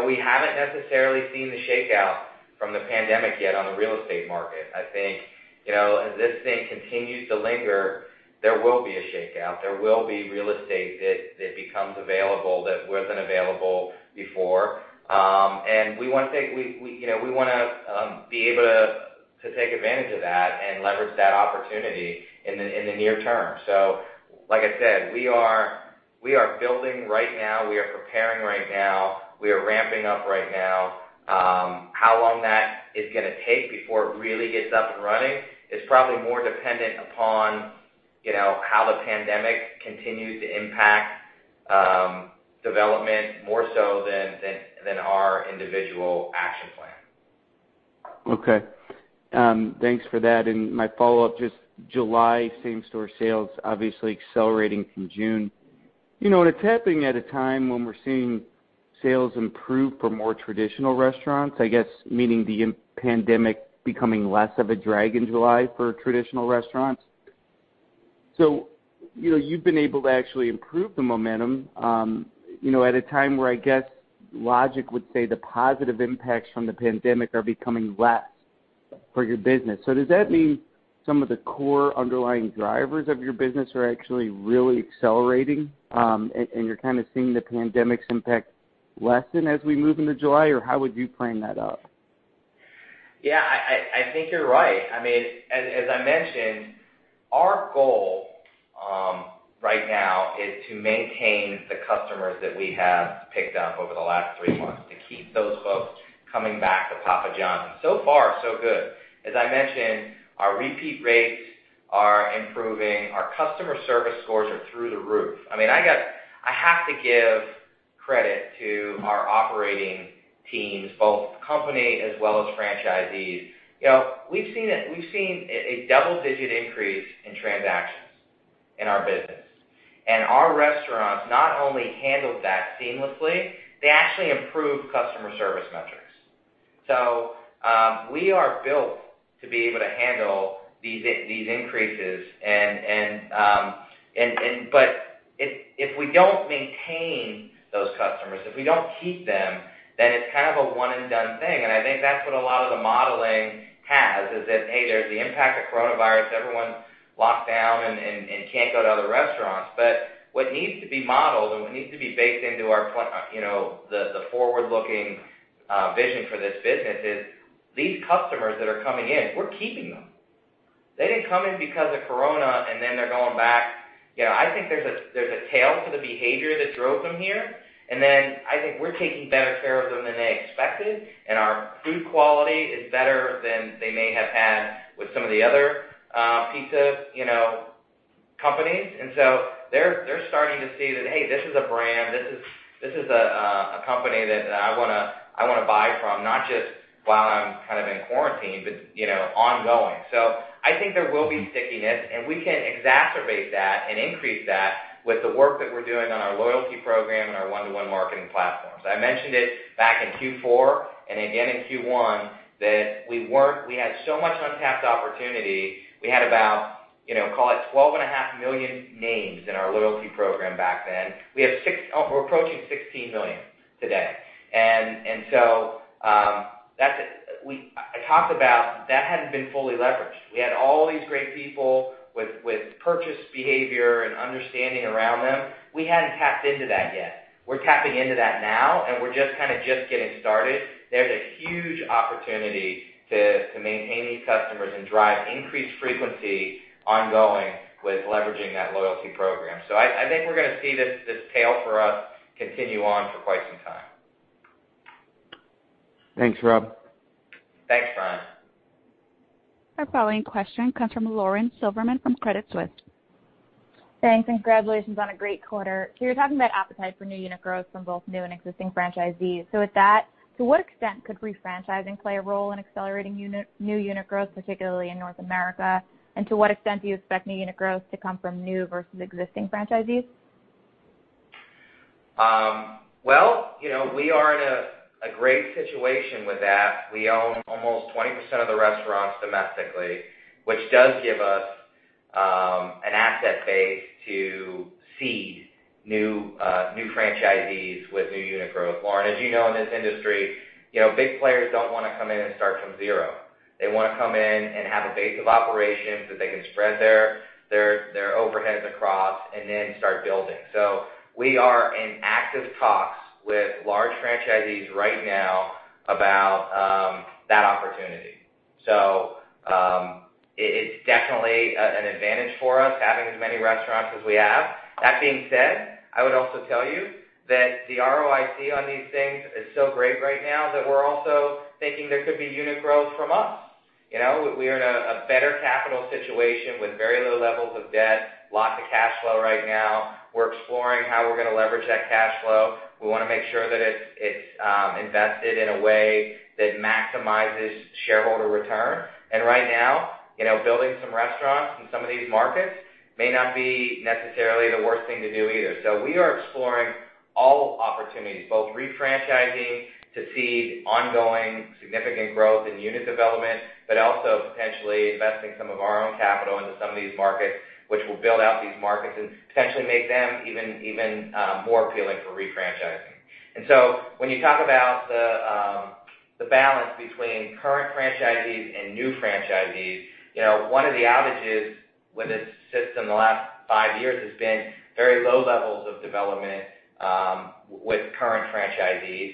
We haven't necessarily seen the shakeout from the pandemic yet on the real estate market. I think, as this thing continues to linger, there will be a shakeout. There will be real estate that becomes available that wasn't available before. We want to be able to take advantage of that and leverage that opportunity in the near term. Like I said, we are building right now. We are preparing right now. We are ramping up right now. How long that is going to take before it really gets up and running is probably more dependent upon how the pandemic continues to impact development, more so than our individual action plan. Okay. Thanks for that. My follow-up, just July same-store sales obviously accelerating from June. It's happening at a time when we're seeing sales improve for more traditional restaurants, I guess, meaning the pandemic becoming less of a drag in July for traditional restaurants. You've been able to actually improve the momentum, at a time where I guess logic would say the positive impacts from the pandemic are becoming less for your business. Does that mean some of the core underlying drivers of your business are actually really accelerating, and you're kind of seeing the pandemic's impact lessen as we move into July? How would you frame that up? Yeah, I think you're right. As I mentioned, our goal right now is to maintain the customers that we have picked up over the last three months, to keep those folks coming back to Papa John's. So far, so good. As I mentioned, our repeat rates are improving. Our customer service scores are through the roof. I have to give credit to our operating teams, both company as well as franchisees. We've seen a double-digit increase in transactions in our business, and our restaurants not only handled that seamlessly, they actually improved customer service metrics. We are built to be able to handle these increases. If we don't maintain those customers, if we don't keep them, then it's kind of a one-and-done thing, and I think that's what a lot of the modeling has, is that, hey, there's the impact of coronavirus. Everyone's locked down and can't go to other restaurants. What needs to be modeled and what needs to be baked into the forward-looking vision for this business is these customers that are coming in, we're keeping them. They didn't come in because of corona, and then they're going back. I think there's a tail to the behavior that drove them here, and then I think we're taking better care of them than they expected, and our food quality is better than they may have had with some of the other pizza companies. They're starting to see that, hey, this is a brand. This is a company that I want to buy from, not just while I'm in quarantine, but ongoing. I think there will be stickiness, and we can exacerbate that and increase that with the work that we're doing on our loyalty program and our one-to-one marketing platforms. I mentioned it back in Q4 and again in Q1 that we had so much untapped opportunity. We had about, call it 12.5 million names in our loyalty program back then. We're approaching 16 million today. I talked about that hadn't been fully leveraged. We had all these great people with purchase behavior and understanding around them. We hadn't tapped into that yet. We're tapping into that now, and we're just getting started. There's a huge opportunity to maintain these customers and drive increased frequency ongoing with leveraging that loyalty program. I think we're going to see this tail for us continue on for quite some time. Thanks, Rob. Thanks, Brian. Our following question comes from Lauren Silberman from Credit Suisse. Thanks, and congratulations on a great quarter. You're talking about appetite for new unit growth from both new and existing franchisees. With that, to what extent could refranchising play a role in accelerating new unit growth, particularly in North America? To what extent do you expect new unit growth to come from new versus existing franchisees? Well, we are in a great situation with that. We own almost 20% of the restaurants domestically, which does give us an asset base to seed new franchisees with new unit growth. Lauren, as you know, in this industry, big players don't want to come in and start from zero. They want to come in and have a base of operations that they can spread their overheads across and then start building. We are in active talks with large franchisees right now about that opportunity. It's definitely an advantage for us, having as many restaurants as we have. That being said, I would also tell you that the ROIC on these things is so great right now that we're also thinking there could be unit growth from us. We're in a better capital situation with very low levels of debt, lots of cash flow right now. We're exploring how we're going to leverage that cash flow. We want to make sure that it's invested in a way that maximizes shareholder return. Right now, building some restaurants in some of these markets may not be necessarily the worst thing to do either. We are exploring all opportunities, both re-franchising to see ongoing significant growth in unit development, but also potentially investing some of our own capital into some of these markets, which will build out these markets and potentially make them even more appealing for re-franchising. When you talk about the balance between current franchisees and new franchisees, one of the challenges with this system in the last five years has been very low levels of development with current franchisees.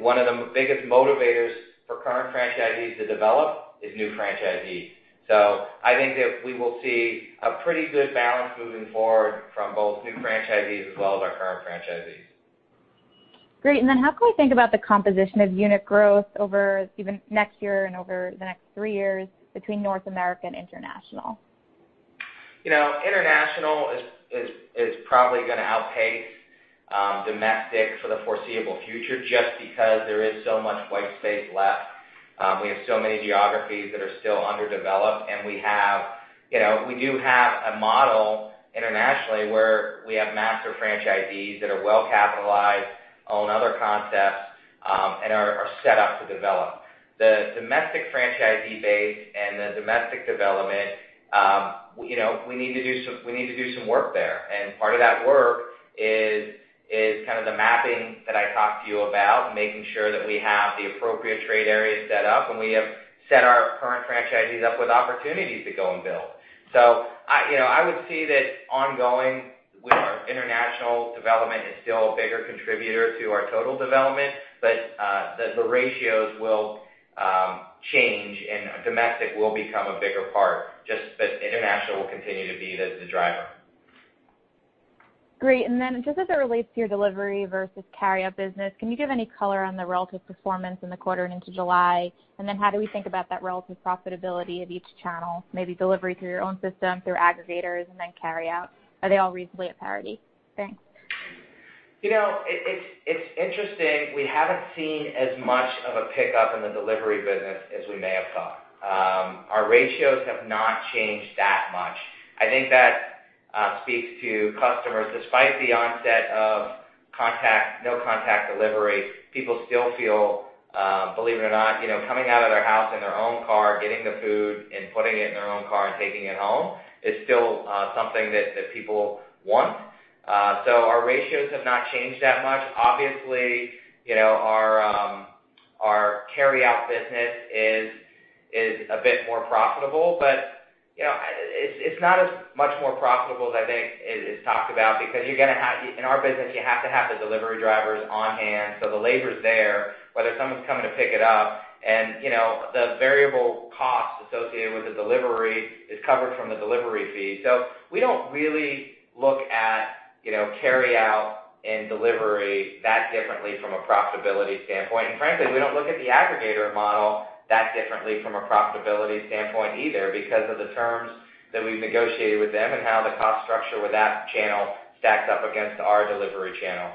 One of the biggest motivators for current franchisees to develop is new franchisees. I think that we will see a pretty good balance moving forward from both new franchisees as well as our current franchisees. Great. How can we think about the composition of unit growth over even next year and over the next three years between North America and International? International is probably going to outpace domestic for the foreseeable future, just because there is so much white space left. We have so many geographies that are still underdeveloped, and we do have a model internationally where we have master franchisees that are well-capitalized, own other concepts, and are set up to develop. The domestic franchisee base and the domestic development, we need to do some work there. Part of that work is the mapping that I talked to you about, making sure that we have the appropriate trade areas set up, and we have set our current franchisees up with opportunities to go and build. I would say that ongoing with our international development is still a bigger contributor to our total development, but the ratios will change, and domestic will become a bigger part, just that international will continue to be the driver. Great. Just as it relates to your delivery versus carryout business, can you give any color on the relative performance in the quarter and into July? How do we think about that relative profitability of each channel, maybe delivery through your own system, through aggregators, and then carry out? Are they all reasonably at parity? Thanks. It's interesting. We haven't seen as much of a pickup in the delivery business as we may have thought. Our ratios have not changed that much. I think that speaks to customers, despite the onset of no-contact delivery, people still feel, believe it or not, coming out of their house in their own car, getting the food, and putting it in their own car and taking it home is still something that people want. Our ratios have not changed that much. Our carryout business is a bit more profitable, but it's not as much more profitable as I think it is talked about because in our business, you have to have the delivery drivers on hand, so the labor is there, whether someone's coming to pick it up. The variable cost associated with the delivery is covered from the delivery fee. We don't really look at carryout and delivery that differently from a profitability standpoint. Frankly, we don't look at the aggregator model that differently from a profitability standpoint either because of the terms that we've negotiated with them and how the cost structure with that channel stacks up against our delivery channel.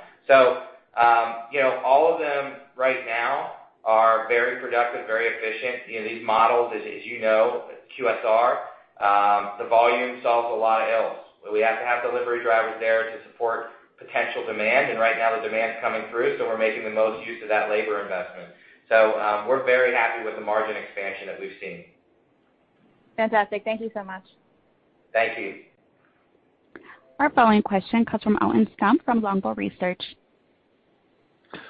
All of them right now are very productive, very efficient. These models, as you know, QSR, the volume solves a lot of ills. We have to have delivery drivers there to support potential demand. Right now the demand's coming through, so we're making the most use of that labor investment. We're very happy with the margin expansion that we've seen. Fantastic. Thank you so much. Thank you. Our following question comes from Alton Stump from Longbow Research.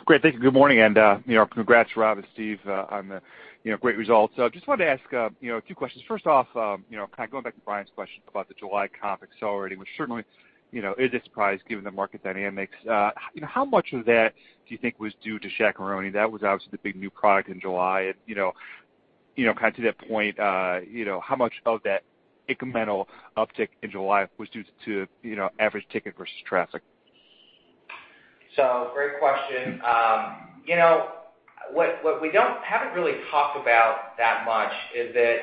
Great. Thank you. Good morning, congrats, Rob and Steve, on the great results. I just wanted to ask a few questions. First off, kind of going back to Brian's question about the July comp accelerating, which certainly is a surprise given the market dynamics. How much of that do you think was due to Shaq-a-Roni? That was obviously the big new product in July. Kind of to that point, how much of that incremental uptick in July was due to average ticket versus traffic? Great question. What we haven't really talked about that much is that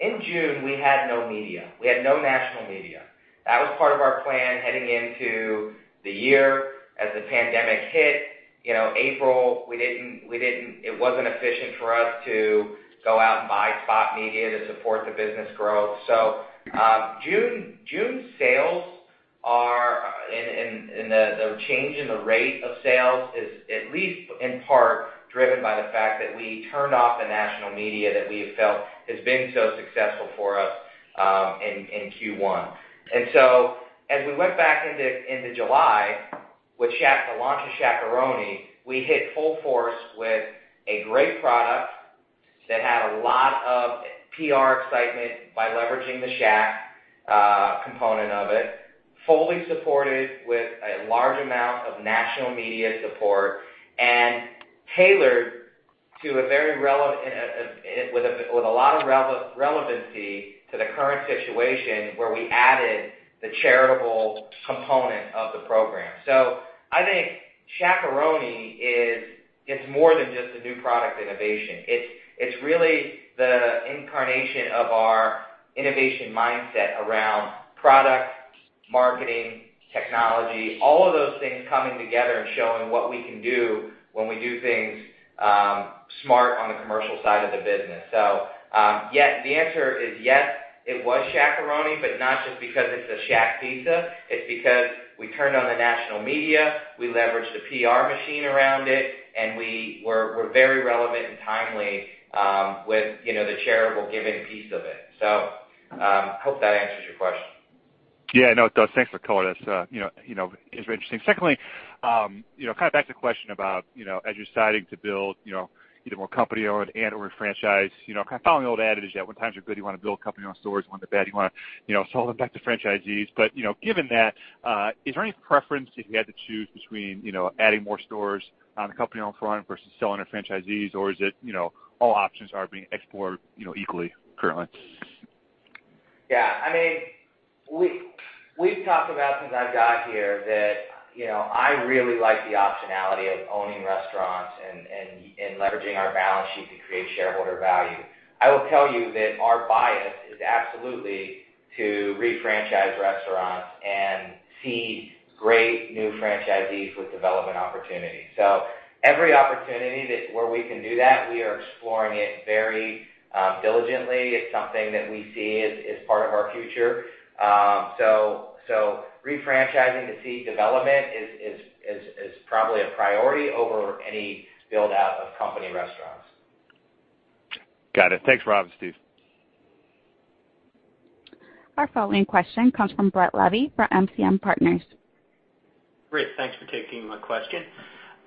in June, we had no media. We had no national media. That was part of our plan heading into the year as the pandemic hit. April, it wasn't efficient for us to go out and buy spot media to support the business growth. June sales and the change in the rate of sales is at least in part driven by the fact that we turned off the national media that we have felt has been so successful for us in Q1. As we went back into July with the launch of Shaq-a-Roni, we hit full force with a great product that had a lot of PR excitement by leveraging the Shaq component of it, fully supported with a large amount of national media support, and tailored with a lot of relevancy to the current situation where we added the charitable component of the program. I think Shaq-a-Roni is more than just a new product innovation. It's really the incarnation of our innovation mindset around product, marketing, technology, all of those things coming together and showing what we can do when we do things smart on the commercial side of the business. The answer is yes, it was Shaq-a-Roni, but not just because it's a Shaq pizza, it's because we turned on the national media, we leveraged the PR machine around it, and we're very relevant and timely with the charitable giving piece of it. Hope that answers your question. Yeah, no, it does. Thanks for the color. That's interesting. Secondly, back to the question about as you're deciding to build either more company-owned and/or franchise, following the old adage that when times are good, you want to build company-owned stores, when they're bad, you want to sell them back to franchisees. Given that, is there any preference if you had to choose between adding more stores on the company-owned front versus selling to franchisees or is it all options are being explored equally currently? Yeah. We've talked about since I've got here that I really like the optionality of owning restaurants and leveraging our balance sheet to create shareholder value. I will tell you that our bias is absolutely to refranchise restaurants and feed great new franchisees with development opportunities. Every opportunity where we can do that, we are exploring it very diligently. It's something that we see as part of our future. Refranchising to seed development is probably a priority over any build-out of company restaurants. Got it. Thanks Rob and Steve. Our following question comes from Brett Levy for MKM Partners. Great. Thanks for taking my question.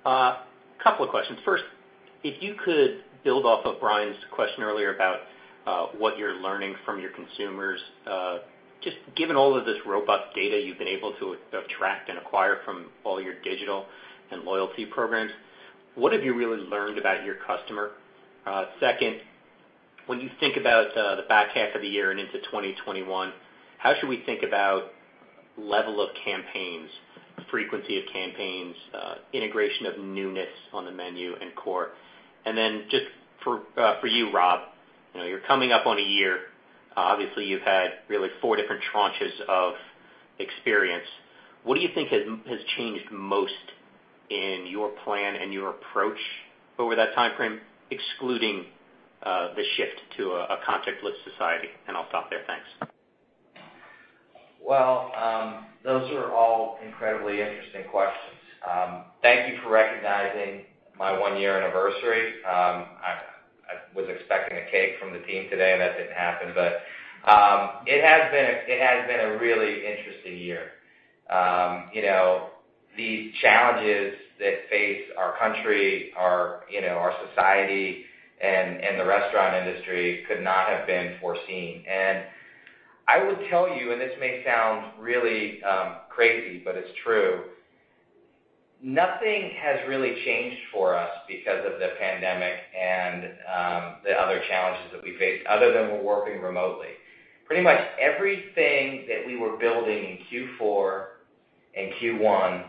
Couple of questions. First, if you could build off of Brian's question earlier about what you're learning from your consumers, just given all of this robust data you've been able to attract and acquire from all your digital and loyalty programs, what have you really learned about your customer? Second, when you think about the back half of the year and into 2021, how should we think about level of campaigns, frequency of campaigns, integration of newness on the menu and core? Just for you, Rob, you're coming up on a year. Obviously, you've had really four different tranches of experience. What do you think has changed most in your plan and your approach over that timeframe, excluding the shift to a contactless society? I'll stop there. Thanks. Well, those are all incredibly interesting questions. Thank you for recognizing my one-year anniversary. I was expecting a cake from the team today and that didn't happen. It has been a really interesting year. The challenges that face our country, our society, and the restaurant industry could not have been foreseen. I would tell you, and this may sound really crazy, but it's true, nothing has really changed for us because of the pandemic and the other challenges that we face other than we're working remotely. Pretty much everything that we were building in Q4 and Q1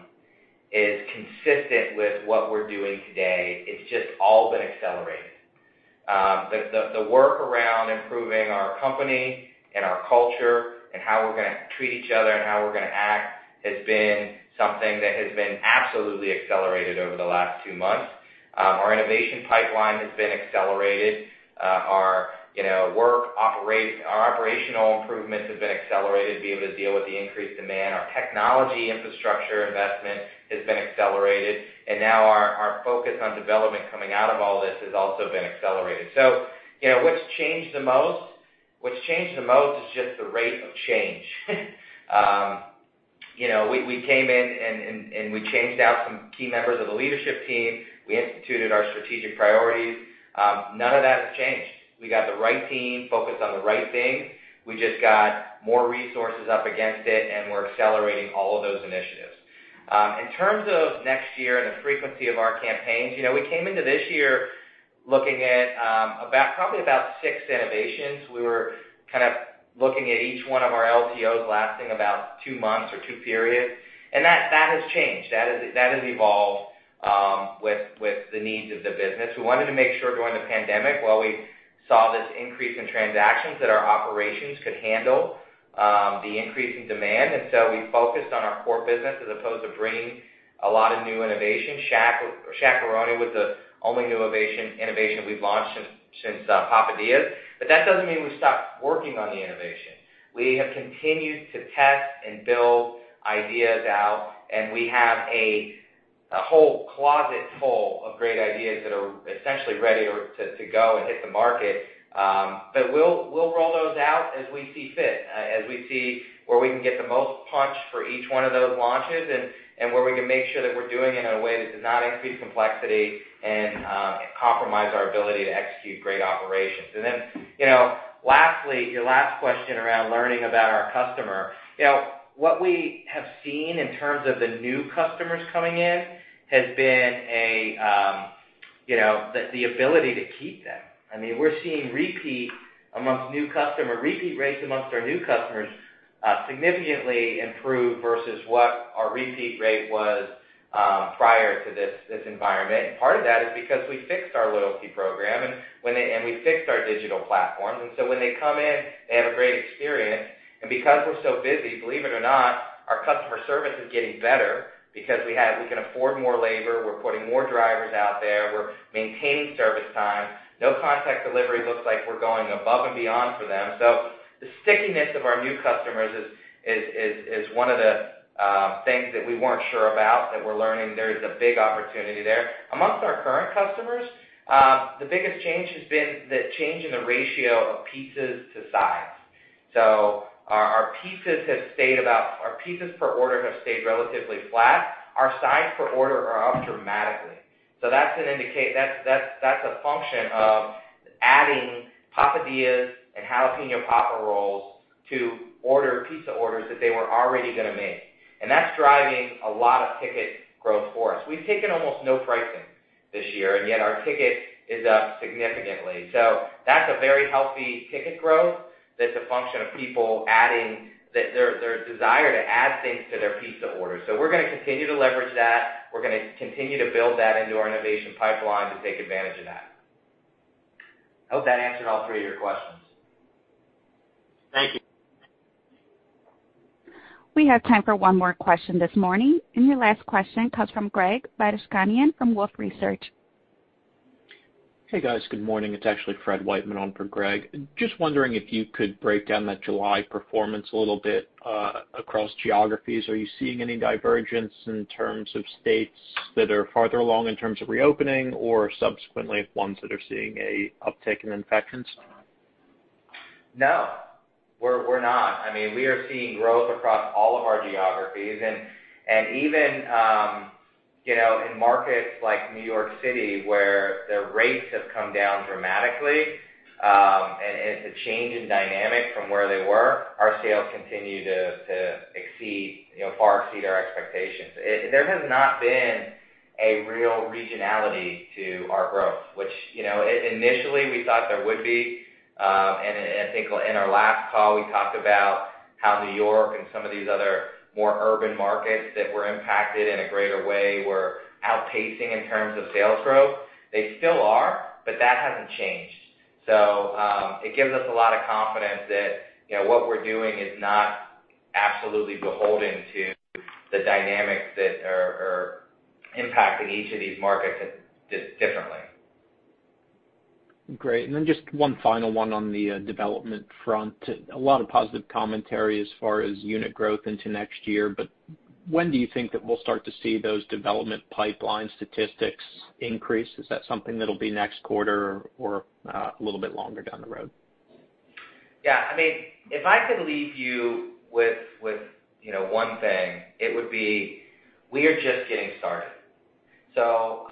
is consistent with what we're doing today. It's just all been accelerated. The work around improving our company and our culture and how we're going to treat each other and how we're going to act has been something that has been absolutely accelerated over the last two months. Our innovation pipeline has been accelerated. Our operational improvements have been accelerated to be able to deal with the increased demand. Our technology infrastructure investment has been accelerated, and now our focus on development coming out of all this has also been accelerated. What's changed the most? What's changed the most is just the rate of change. We came in and we changed out some key members of the leadership team. We instituted our strategic priorities. None of that has changed. We got the right team focused on the right things. We just got more resources up against it, and we're accelerating all of those initiatives. In terms of next year and the frequency of our campaigns, we came into this year looking at probably about six innovations. We were looking at each one of our LTOs lasting about two months or two periods. That has changed. That has evolved with the needs of the business. We wanted to make sure during the pandemic, while we saw this increase in transactions, that our operations could handle the increase in demand. We focused on our core business as opposed to bringing a lot of new innovation. Shaq-a-Roni was the only new innovation we've launched since Papadia. That doesn't mean we stopped working on the innovation. We have continued to test and build ideas out, and we have a whole closet full of great ideas that are essentially ready to go and hit the market. We'll roll those out as we see fit, as we see where we can get the most punch for each one of those launches, and where we can make sure that we're doing it in a way that does not increase complexity and compromise our ability to execute great operations. Lastly, your last question around learning about our customer. What we have seen in terms of the new customers coming in has been the ability to keep them. We're seeing repeat rates amongst our new customers significantly improve versus what our repeat rate was prior to this environment. Part of that is because we fixed our loyalty program, and we fixed our digital platforms. When they come in, they have a great experience. Because we're so busy, believe it or not, our customer service is getting better because we can afford more labor, we're putting more drivers out there, we're maintaining service time. No contact delivery looks like we're going above and beyond for them. The stickiness of our new customers is one of the things that we weren't sure about, that we're learning there is a big opportunity there. Amongst our current customers, the biggest change has been the change in the ratio of pizzas to sides. Our pizzas per order have stayed relatively flat. Our sides per order are up dramatically. That's a function of adding Papadias and Jalapeño Popper Rolls to pizza orders that they were already going to make. That's driving a lot of ticket growth for us. We've taken almost no pricing this year, and yet our ticket is up significantly. That's a very healthy ticket growth. That's a function of people adding their desire to add things to their pizza order. We're going to continue to leverage that. We're going to continue to build that into our innovation pipeline to take advantage of that. I hope that answered all three of your questions. Thank you. We have time for one more question this morning, and your last question comes from Greg Badishkanian from Wolfe Research. Hey, guys. Good morning. It's actually Fred Wightman on for Greg. Just wondering if you could break down that July performance a little bit, across geographies. Are you seeing any divergence in terms of states that are farther along in terms of reopening or subsequently ones that are seeing a uptick in infections? No. We're not. We are seeing growth across all of our geographies and even, in markets like New York City, where the rates have come down dramatically, and it's a change in dynamic from where they were. Our sales continue to far exceed our expectations. There has not been a real regionality to our growth, which initially we thought there would be. I think in our last call, we talked about how New York and some of these other more urban markets that were impacted in a greater way were outpacing in terms of sales growth. They still are, but that hasn't changed. It gives us a lot of confidence that what we're doing is not absolutely beholden to the dynamics that are impacting each of these markets differently. Great. Just one final one on the development front. A lot of positive commentary as far as unit growth into next year, but when do you think that we'll start to see those development pipeline statistics increase? Is that something that'll be next quarter or a little bit longer down the road? Yeah, if I could leave you with one thing, it would be we are just getting started.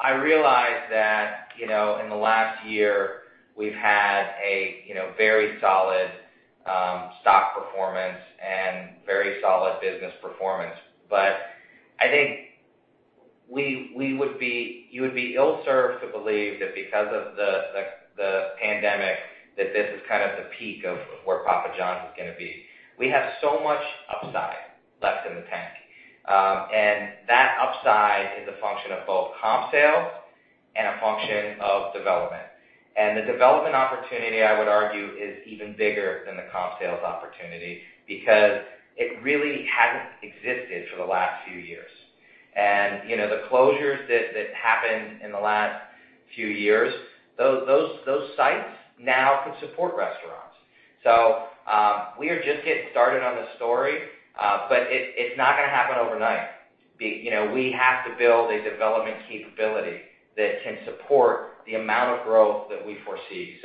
I realize that in the last year we've had a very solid stock performance and very solid business performance. I think you would be ill-served to believe that because of the pandemic, that this is the peak of where Papa John's is going to be. We have so much upside left in the tank. That upside is a function of both comp sales and a function of development. The development opportunity, I would argue, is even bigger than the comp sales opportunity because it really hasn't existed for the last few years. The closures that happened in the last few years, those sites now can support restaurants. We are just getting started on this story, but it's not going to happen overnight. We have to build a development capability that can support the amount of growth that we foresee.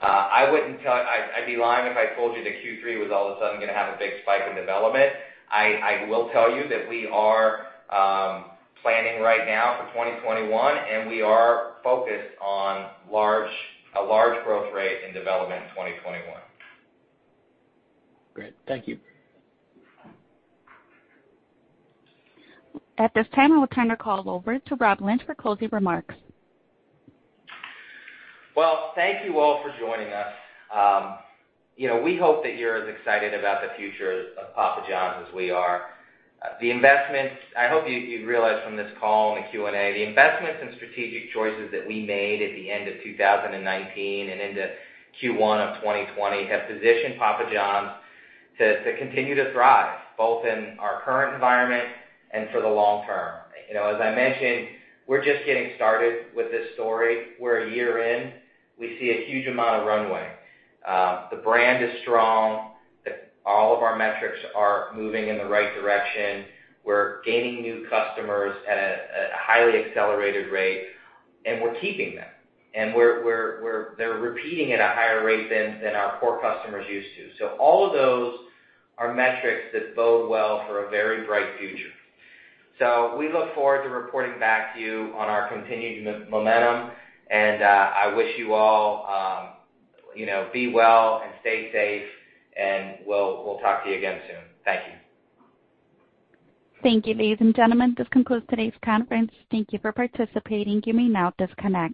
I'd be lying if I told you that Q3 was all of a sudden going to have a big spike in development. I will tell you that we are planning right now for 2021, and we are focused on a large growth rate in development in 2021. Great. Thank you. At this time, I will turn the call over to Rob Lynch for closing remarks. Well, thank you all for joining us. We hope that you're as excited about the future of Papa John's as we are. I hope you realize from this call and the Q&A, the investments and strategic choices that we made at the end of 2019 and into Q1 of 2020 have positioned Papa John's to continue to thrive, both in our current environment and for the long term. As I mentioned, we're just getting started with this story. We're a year in. We see a huge amount of runway. The brand is strong. All of our metrics are moving in the right direction. We're gaining new customers at a highly accelerated rate, and we're keeping them. They're repeating at a higher rate than our core customers used to. All of those are metrics that bode well for a very bright future. We look forward to reporting back to you on our continued momentum, and I wish you all be well and stay safe, and we'll talk to you again soon. Thank you. Thank you, ladies and gentlemen. This concludes today's conference. Thank you for participating. You may now disconnect.